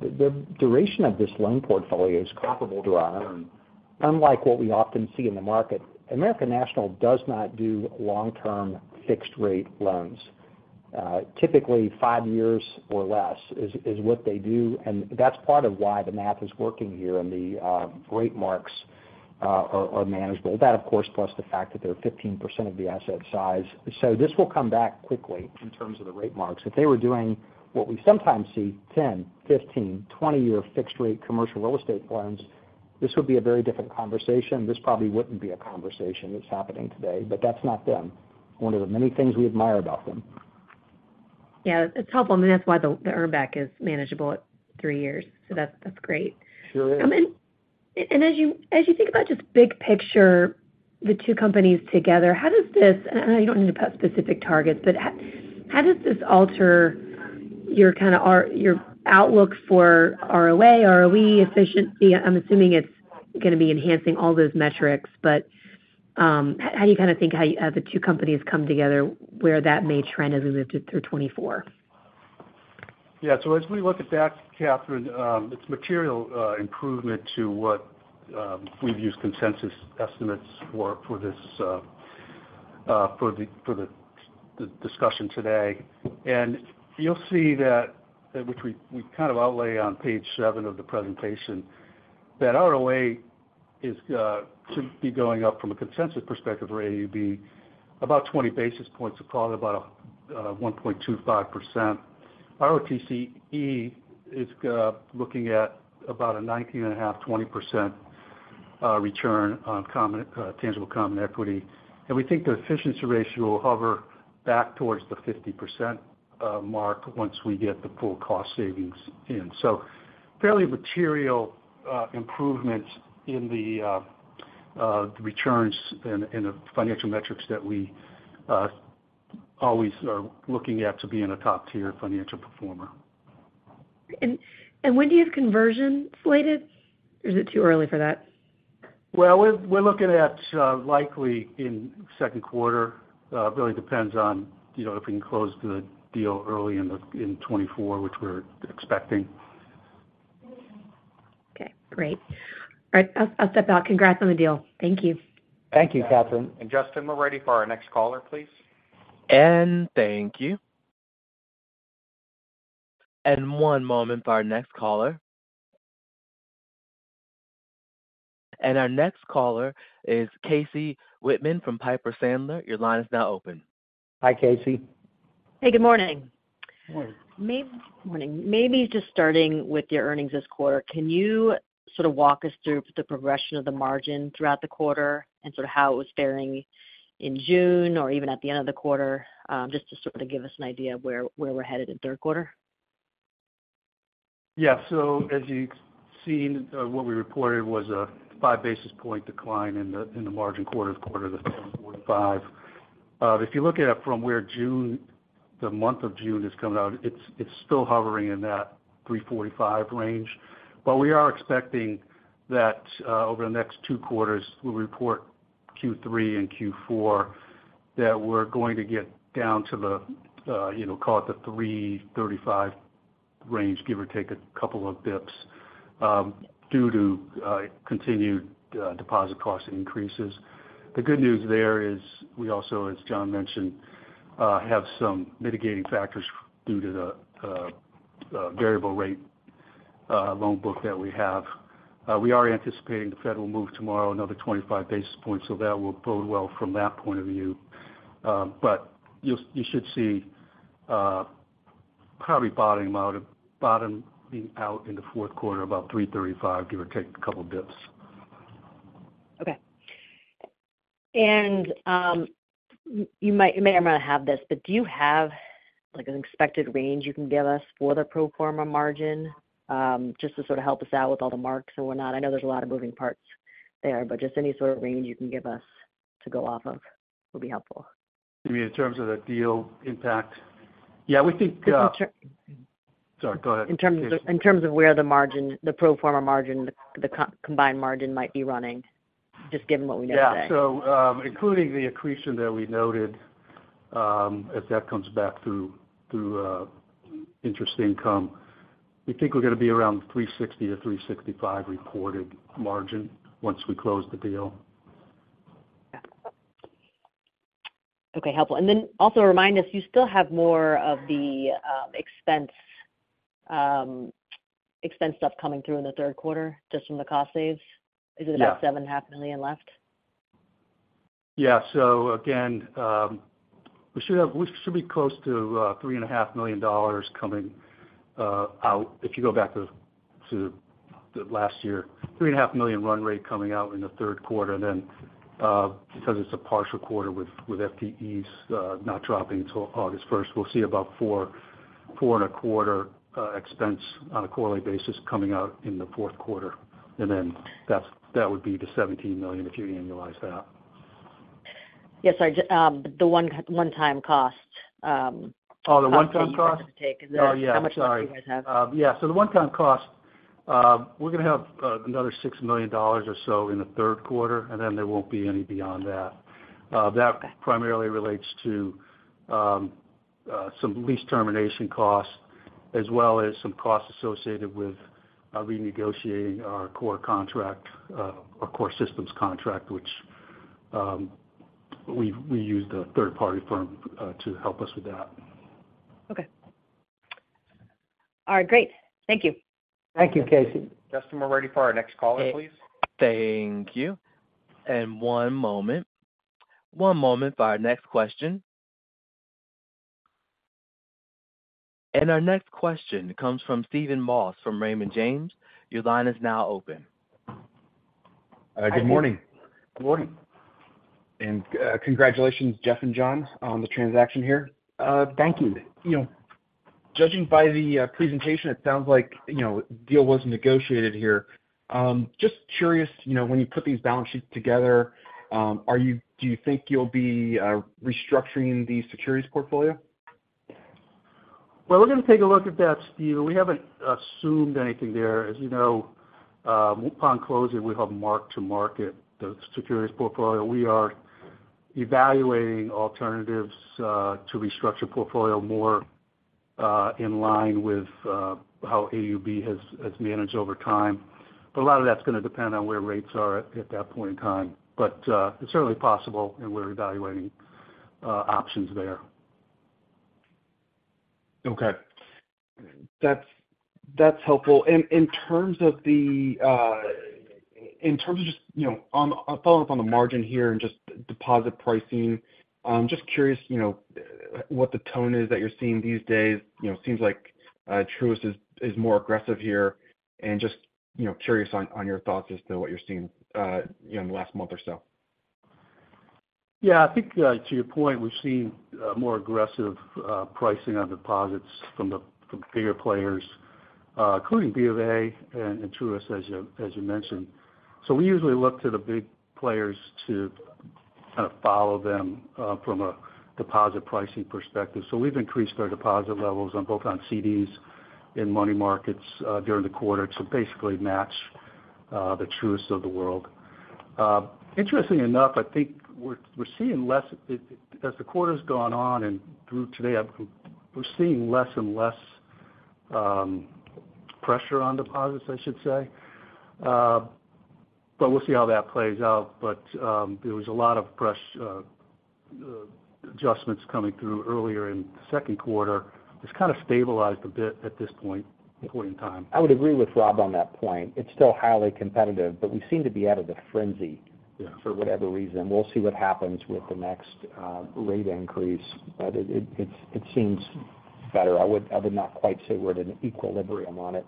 the duration of this loan portfolio is comparable to our own, unlike what we often see in the market. American National does not do long-term fixed rate loans, typically 5 years or less is what they do. That's part of why the math is working here and the rate marks are manageable. That, of course, plus the fact that they're 15% of the asset size. This will come back quickly in terms of the rate marks. If they were doing what we sometimes see, 10, 15, 20-year fixed rate commercial real estate loans, this would be a very different conversation. This probably wouldn't be a conversation that's happening today. That's not them. One of the many things we admire about them. Yeah, it's helpful. That's why the earn back is manageable at three years. That's great. Sure is. As you think about just big picture, the two companies together, how does this, and I know you don't need to put specific targets, but how does this alter your kind of, or your outlook for ROA, ROE efficiency? I'm assuming it's gonna be enhancing all those metrics, but, how do you kind of think, how the two companies come together, where that may trend as we move through 2024? Yeah. As we look at that, Catherine, it's material improvement to what we've used consensus estimates for this, for the discussion today. You'll see that, which we kind of outlay on page 7 of the presentation, that ROA is should be going up from a consensus perspective for AUB, about 20 basis points, so probably about 1.25%. ROTCE is looking at about a 19.5%-20% return on common tangible common equity. We think the efficiency ratio will hover back towards the 50% mark once we get the full cost savings in. Fairly material improvements in the returns and in the financial metrics that we always are looking at to being a top-tier financial performer. When do you have conversion slated, or is it too early for that? Well, we're looking at likely in Q2. Really depends on, you know, if we can close the deal early in 2024, which we're expecting. Okay, great. All right, I'll step out. Congrats on the deal. Thank you. Thank you, Catherine and Justin, we're ready for our next caller, please. Thank you. One moment for our next caller. Our next caller is Casey Whitman from Piper Sandler. Your line is now open. Hi, Casey. Hey, good morning. Morning. Morning. Maybe just starting with your earnings this quarter, can you sort of walk us through the progression of the margin throughout the quarter and sort of how it was faring in June or even at the end of the quarter? Just to sort of give us an idea of where we're headed in Q3. Yeah. As you've seen, what we reported was a 5 basis point decline in the margin quarter-to-quarter, the 3.45%. If you look at it from where June, the month of June is coming out, it's still hovering in that 3.45 %range. We are expecting that over the next two quarters, we'll report Q3 and Q4, that we're going to get down to the, you know, call it the 3.35% range, give or take a couple of dips due to continued deposit cost increases. The good news there is we also, as John mentioned, have some mitigating factors due to the variable rate loan book that we have. We are anticipating the Fed will move tomorrow, another 25 basis points. That will bode well from that point of view. You should see, probably bottoming out in the Q4, about 3.35%, give or take a couple of dips. Okay. You might, you may or may not have this, but do you have, like, an expected range you can give us for the pro forma margin? Just to sort of help us out with all the marks and what not. I know there's a lot of moving parts there, but just any sort of range you can give us to go off of will be helpful. You mean in terms of the deal impact? Yeah, we think. Just in ter- Sorry, go ahead. In terms of where the margin, the pro forma margin, the combined margin might be running, just given what we know today. Including the accretion that we noted, as that comes back through interest income, we think we're gonna be around 3.60%-3.65% reported margin once we close the deal. Okay. Okay, helpful. Then also remind us, you still have more of the expense stuff coming through in Q3, just from the cost saves? Yeah. Is it about $7.5 million left? Yeah. Again, we should be close to $3.5 million coming out, if you go back to the last year. $3.5 million run rate coming out in the Q3. Because it's a partial quarter with FTEs not dropping until August 1, we'll see about four and a quarter expense on a quarterly basis coming out in the Q4. That would be the $17 million, if you annualize that. Yes, sorry, the one-time cost. Oh, the one-time cost? How much you guys have. Oh, yeah. Sorry. Yeah, the one-time cost, we're gonna have another $6 million or so in the Q3, then there won't be any beyond that. Okay. That primarily relates to some lease termination costs, as well as some costs associated with renegotiating our core contract, our core systems contract. We use the third party firm to help us with that. Okay. All right, great. Thank you. Thank you, Casey. Justin, we're ready for our next caller, please. Thank you. One moment. One moment for our next question. Our next question comes from Stephen Moss from Raymond James. Your line is now open. Good morning. Good morning. Congratulations, Jeff and John, on the transaction here. Thank you. You know, judging by the presentation, it sounds like, you know, the deal was negotiated here. Just curious, you know, when you put these balance sheets together, do you think you'll be restructuring the securities portfolio? We're gonna take a look at that, Stephen. We haven't assumed anything there. As you know, upon closing, we have mark-to-market the securities portfolio. We are evaluating alternatives to restructure portfolio more in line with how AUB has managed over time. A lot of that's gonna depend on where rates are at that point in time. It's certainly possible, and we're evaluating options there. Okay. That's helpful. In terms of the, in terms of just, you know, following up on the margin here and just deposit pricing, I'm just curious, you know, what the tone is that you're seeing these days. You know, seems like Truist is more aggressive here, and just, you know, curious on your thoughts as to what you're seeing, you know, in the last month or so. Yeah. I think, to your point, we've seen more aggressive pricing on deposits from the, from bigger players, including Bank of America and Truist, as you, as you mentioned. We usually look to the big players to kind of follow them from a deposit pricing perspective. We've increased our deposit levels on both on CDs and money markets during the quarter to basically match the Truist of the world. Interestingly enough, I think we're seeing less as the quarter's gone on and through today, we're seeing less and less pressure on deposits, I should say. We'll see how that plays out. There was a lot of fresh adjustments coming through earlier in the Q2. It's kind of stabilized a bit at this point in time. I would agree with Rob on that point. It's still highly competitive, but we seem to be out of the frenzy- Yeah for whatever reason. We'll see what happens with the next rate increase, it's, it seems better. I would not quite say we're at an equilibrium on it.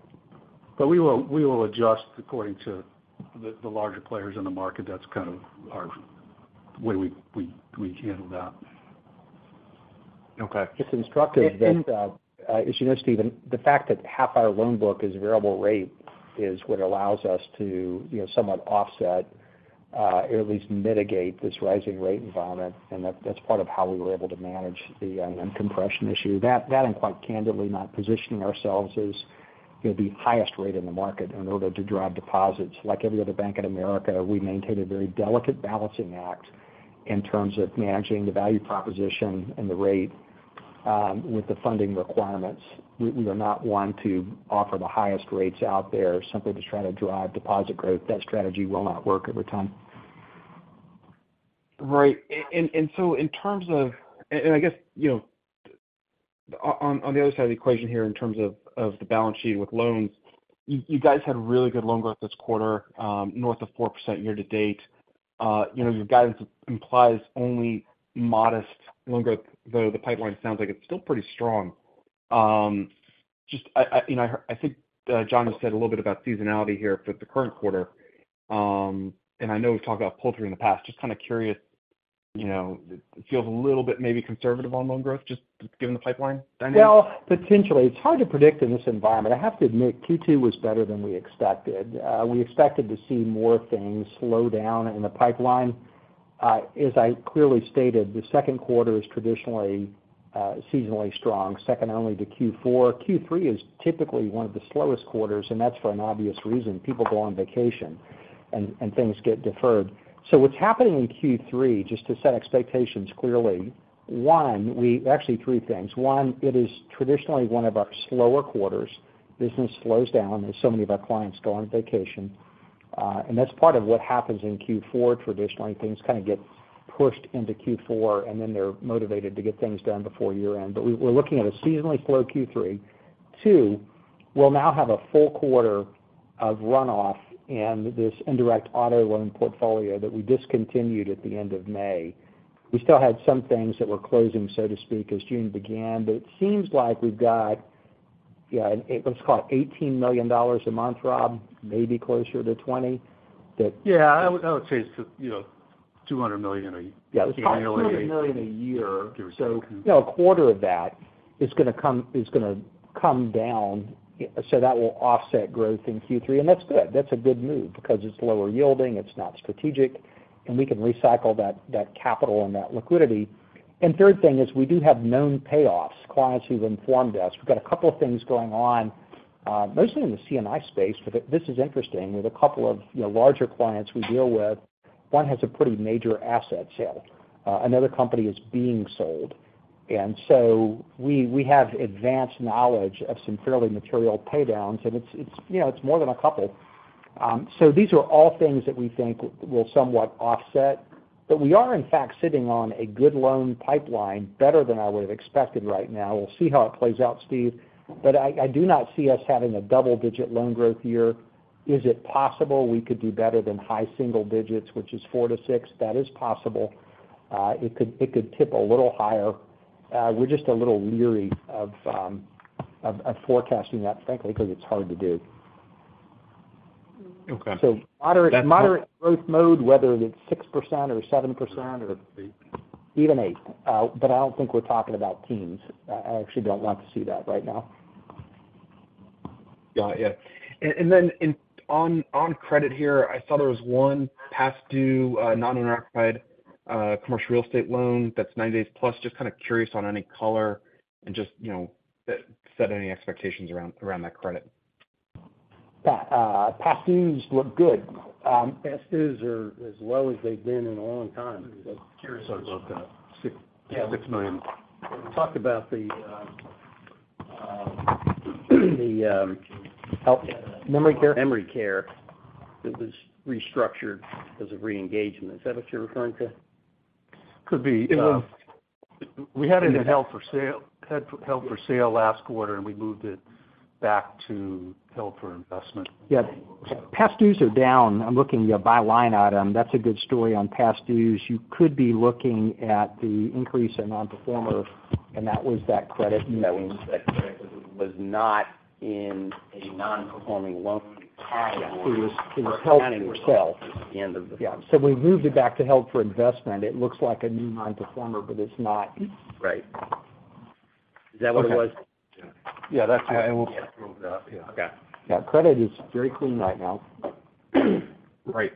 We will adjust according to the larger players in the market. That's kind of our, the way we handle that. Okay. It's instructive that, as you know, Stephen, the fact that half our loan book is variable rate is what allows us to, you know, somewhat offset or at least mitigate this rising rate environment. That's part of how we were able to manage the compression issue. That, and quite candidly, not positioning ourselves as, you know, the highest rate in the market in order to drive deposits. Like every other bank in America, we maintain a very delicate balancing act in terms of managing the value proposition and the rate with the funding requirements. We are not one to offer the highest rates out there simply to try to drive deposit growth. That strategy will not work over time. Right. So in terms of I guess, you know, on the other side of the equation here, in terms of the balance sheet with loans, you guys had really good loan growth this quarter, north of 4% year-to-date. You know, your guidance implies only modest loan growth, though the pipeline sounds like it's still pretty strong. Just I think John has said a little bit about seasonality here for the current quarter. I know we've talked about poultry in the past. Just kind of curious, you know, it feels a little bit maybe conservative on loan growth, just given the pipeline dynamic. Well, potentially. It's hard to predict in this environment. I have to admit, Q2 was better than we expected. We expected to see more things slow down in the pipeline. As I clearly stated, the Q2 is traditionally seasonally strong, second only to Q4. Q3 is typically one of the slowest quarters. That's for an obvious reason. People go on vacation and things get deferred. What's happening in Q3, just to set expectations clearly, one, actually three things. one, it is traditionally one of our slower quarters. Business slows down. So many of our clients go on vacation. That's part of what happens in Q4. Traditionally, things kind of get pushed into Q4. Then they're motivated to get things done before year-end. We're looking at a seasonally slow Q3. Two, we'll now have a full quarter of runoff in this indirect auto loan portfolio that we discontinued at the end of May. We still had some things that were closing, so to speak, as June began, but it seems like we've got, yeah, what's it called, $18 million a month, Rob? Maybe closer to 20. Yeah, I would say it's, you know, $200 million a year. Yeah, it's called $200 million a year. Give or take. you know, a quarter of that is gonna come down, so that will offset growth in Q3, and that's good. That's a good move because it's lower yielding, it's not strategic, and we can recycle that capital and that liquidity. Third thing is we do have known payoffs, clients who've informed us. We've got a couple of things going on, mostly in the C&I space. This is interesting, with a couple of, you know, larger clients we deal with, one has a pretty major asset sale. Another company is being sold. we have advanced knowledge of some fairly material pay downs, and it's, you know, it's more than a couple. These are all things that we think will somewhat offset. We are in fact sitting on a good loan pipeline, better than I would have expected right now. We'll see how it plays out, Steve, I do not see us having a double-digit loan growth year. Is it possible we could do better than high single digits, which is 4-6? That is possible. It could tip a little higher. We're just a little leery of forecasting that, frankly, because it's hard to do. Okay. Moderate growth mode, whether it's 6% or 7% or even 8%. I don't think we're talking about teens. I actually don't want to see that right now. Got it, yeah. Then in, on credit here, I saw there was 1 past due non-owner occupied commercial real estate loan that's 90 days plus. Just kind of curious on any color and just, you know, set any expectations around that credit? Past dues look good. Past dues are as well as they've been in a long time. Curious about the $6 million? Talk about the, memory care. Memory care. That was restructured as a reengagement. Is that what you're referring to? Could be. We had it in held for sale, had held for sale last quarter, and we moved it back to held for investment. Past dues are down. I'm looking by line item. That's a good story on past dues. You could be looking at the increase in non-performers, and that was that credit, you know. That credit was not in a non-performing loan category. It was held for sale. At the end of Yeah. We moved it back to held for investment. It looks like a new non-performer, but it's not. Right. Is that what it was? Yeah. Okay. Yeah, credit is very clean right now. Right.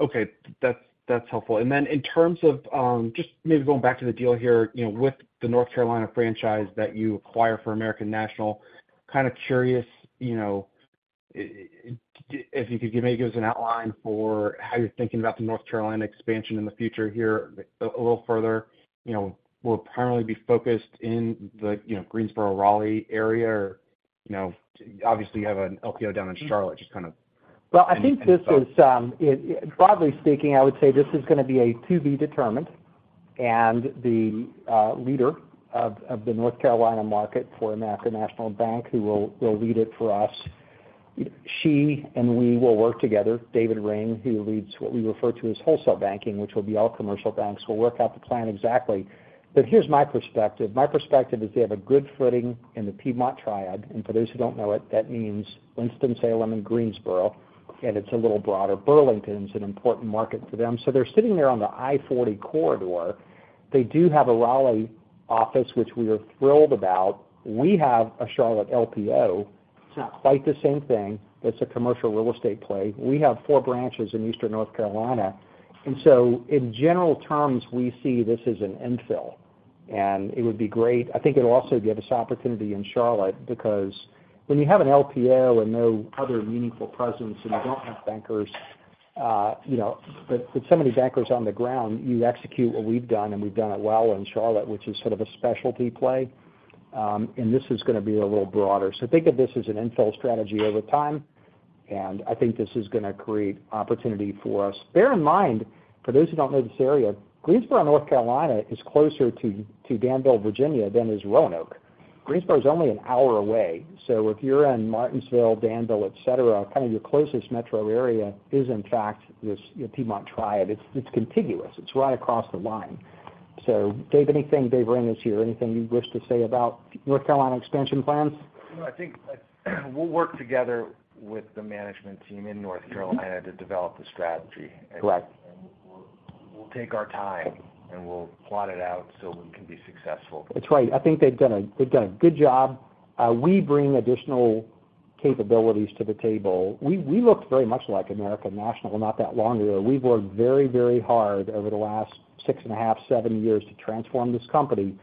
Okay. That's helpful. In terms of, just maybe going back to the deal here, you know, with the North Carolina franchise that you acquire for American National, kind of curious, you know, if you could maybe give us an outline for how you're thinking about the North Carolina expansion in the future here a little further. You know, we'll primarily be focused in the, you know, Greensboro, Raleigh area, or, you know, obviously, you have an LPO down in Charlotte? Well, I think this is broadly speaking, I would say this is going to be a to be determined, and the leader of the North Carolina market for American National Bank, who will lead it for us. She and we will work together. David Ring, who leads what we refer to as wholesale banking, which will be all commercial banks, will work out the plan exactly. Here's my perspective. My perspective is they have a good footing in the Piedmont Triad, for those who don't know it, that means Winston-Salem and Greensboro, and it's a little broader. Burlington is an important market for them. They're sitting there on the I-40 corridor. They do have a Raleigh office, which we are thrilled about. We have a Charlotte LPO. It's not quite the same thing. That's a commercial real estate play. We have four branches in Eastern North Carolina. In general terms, we see this as an infill, and it would be great. I think it'll also give us opportunity in Charlotte because when you have an LPO and no other meaningful presence, and you don't have bankers, you know, with so many bankers on the ground, you execute what we've done, and we've done it well in Charlotte, which is sort of a specialty play. This is going to be a little broader. Think of this as an infill strategy over time, and I think this is going to create opportunity for us. Bear in mind, for those who don't know this area, Greensboro, North Carolina, is closer to Danville, Virginia, than is Roanoke. Greensboro is only an hour away. If you're in Martinsville, Danville, et cetera, kind of your closest metro area is, in fact, this Piedmont Triad. It's, it's contiguous. It's right across the line. Dave, anything, Dave Ring is here, anything you wish to say about North Carolina expansion plans? I think we'll work together with the management team in North Carolina to develop the strategy. Right. We'll take our time, and we'll plot it out so we can be successful. That's right. I think they've done a good job. We bring additional capabilities to the table. We looked very much like American National not that long ago. We've worked very, very hard over the last 6.5, 7 years to transform this company.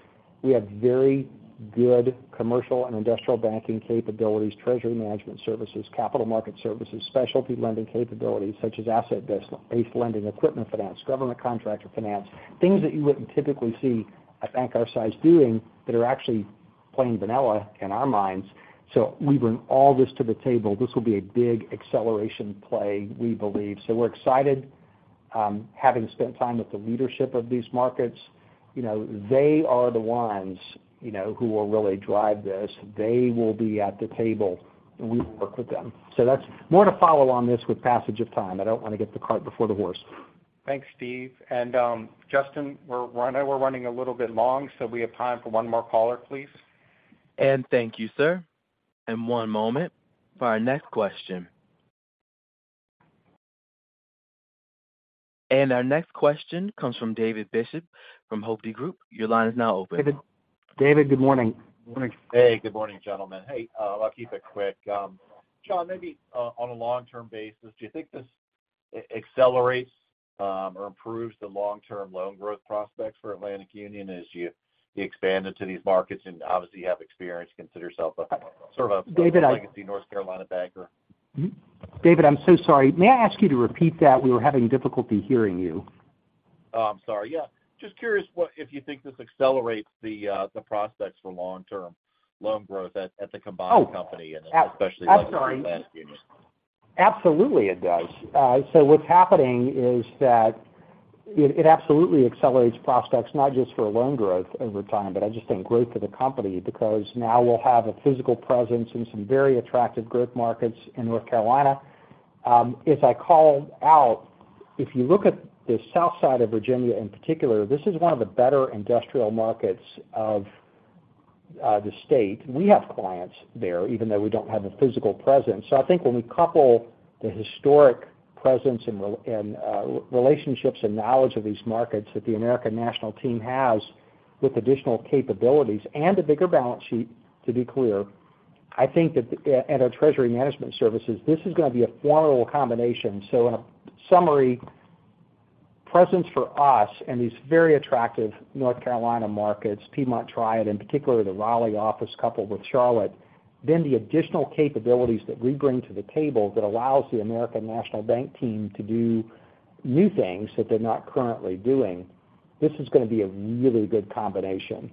We have very good commercial and industrial banking capabilities, treasury management services, capital market services, specialty lending capabilities, such as asset-based lending, equipment finance, government contractor finance, things that you wouldn't typically see a bank our size doing that are actually plain vanilla in our minds. We bring all this to the table. This will be a big acceleration play, we believe. We're excited, having spent time with the leadership of these markets. You know, they are the ones who will really drive this. They will be at the table, and we will work with them. That's more to follow on this with passage of time. I don't want to get the cart before the horse. Thanks, Stephen. Justin, I know we're running a little bit long, so we have time for one more caller, please. Thank you, sir. One moment for our next question. Our next question comes from David Bishop from Hovde Group. Your line is now open. David, good morning. Hey, good morning, gentlemen. Hey, I'll keep it quick. John, maybe, on a long-term basis, do you think this accelerates or improves the long-term loan growth prospects for Atlantic Union as you expand into these markets and obviously have experience? David, Legacy North Carolina banker? David, I'm so sorry. May I ask you to repeat that? We were having difficulty hearing you. Oh, I'm sorry. Yeah, just curious if you think this accelerates the prospects for long-term loan growth at the combined company, especially. Oh, I'm sorry. Atlantic Union. Absolutely, it does. What's happening is that it absolutely accelerates prospects, not just for loan growth over time, but I just think great for the company, because now we'll have a physical presence in some very attractive growth markets in North Carolina. As I called out, if you look at the south side of Virginia, in particular, this is one of the better industrial markets of the state. We have clients there, even though we don't have a physical presence. I think when we couple the historic presence and relationships and knowledge of these markets that the American National team has, with additional capabilities and a bigger balance sheet, to be clear, I think that and our treasury management services, this is gonna be a formidable combination. In a summary, presence for us and these very attractive North Carolina markets, Piedmont Triad, and particularly the Raleigh office, coupled with Charlotte, the additional capabilities that we bring to the table that allows the American National Bank team to do new things that they're not currently doing, this is gonna be a really good combination.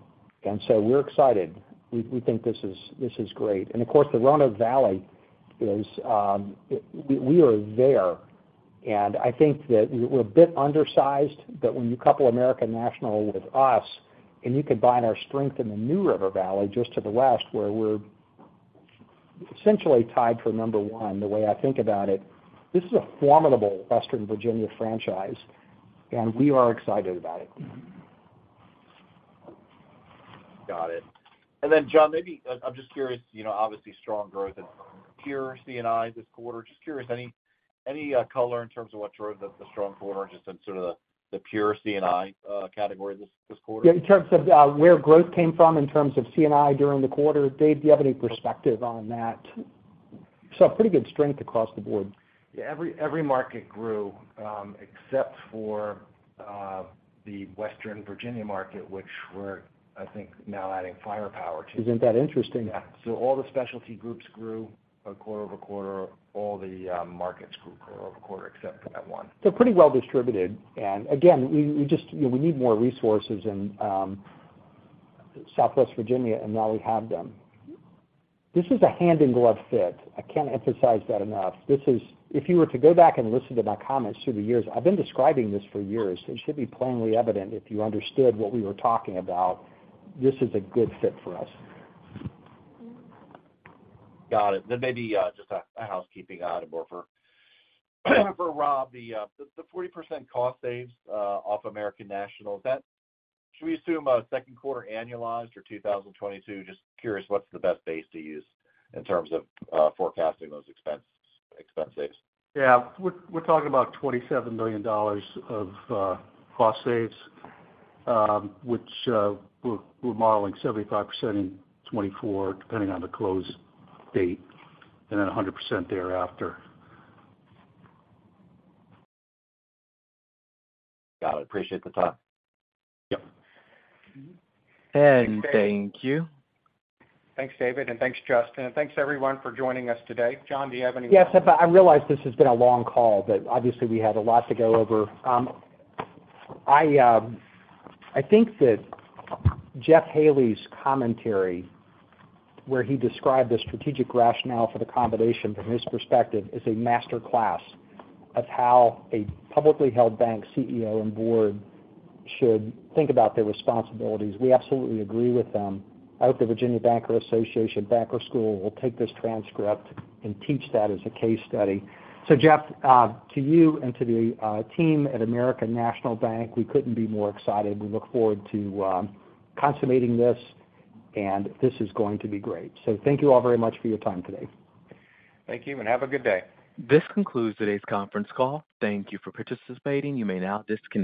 We're excited. We think this is great. Of course, the Roanoke Valley is, we are there, and I think that we're a bit undersized, but when you couple American National with us, and you combine our strength in the New River Valley just to the west, where we're essentially tied for number one, the way I think about it, this is a formidable Western Virginia franchise, and we are excited about it. Got it. John, maybe, I'm just curious, you know, obviously strong growth in pure C&I this quarter. Just curious, any color in terms of what drove the strong quarter just in sort of the pure C&I category this quarter? Yeah, in terms of where growth came from in terms of C&I during the quarter? Dave, do you have any perspective on that? Saw pretty good strength across the board. Every market grew, except for the Western Virginia market, which we're, I think, now adding firepower to. Isn't that interesting? Yeah. All the specialty groups grew quarter-over-quarter. All the markets grew quarter-over-quarter, except for that one. Pretty well distributed. Again, we just, you know, we need more resources in southwest Virginia, and now we have them. This is a hand-in-glove fit. I can't emphasize that enough. This is if you were to go back and listen to my comments through the years, I've been describing this for years. It should be plainly evident if you understood what we were talking about. This is a good fit for us. Got it. Maybe just a housekeeping item for Rob, the 40% cost saves off American National. Should we assume a 2Q annualized or 2022? Just curious, what's the best base to use in terms of forecasting those expense saves? Yeah. We're talking about $27 million of cost saves, which we're modeling 75% in 2024, depending on the close date, then 100% thereafter. Got it. Appreciate the time. Yep. Thank you. Thanks, David, and thanks, Justin. Thanks, everyone, for joining us today. John, do you have any- Yes, I realize this has been a long call, but obviously, we had a lot to go over. I think that Jeff Haley's commentary, where he described the strategic rationale for the combination from his perspective, is a master class of how a publicly held bank CEO and board should think about their responsibilities. We absolutely agree with them. I hope the Virginia Bankers Association Banker School will take this transcript and teach that as a case study. Jeff, to you and to the team at American National Bank, we couldn't be more excited. We look forward to consummating this, and this is going to be great. Thank you all very much for your time today. Thank you, and have a good day. This concludes today's conference call. Thank you for participating. You may now disconnect.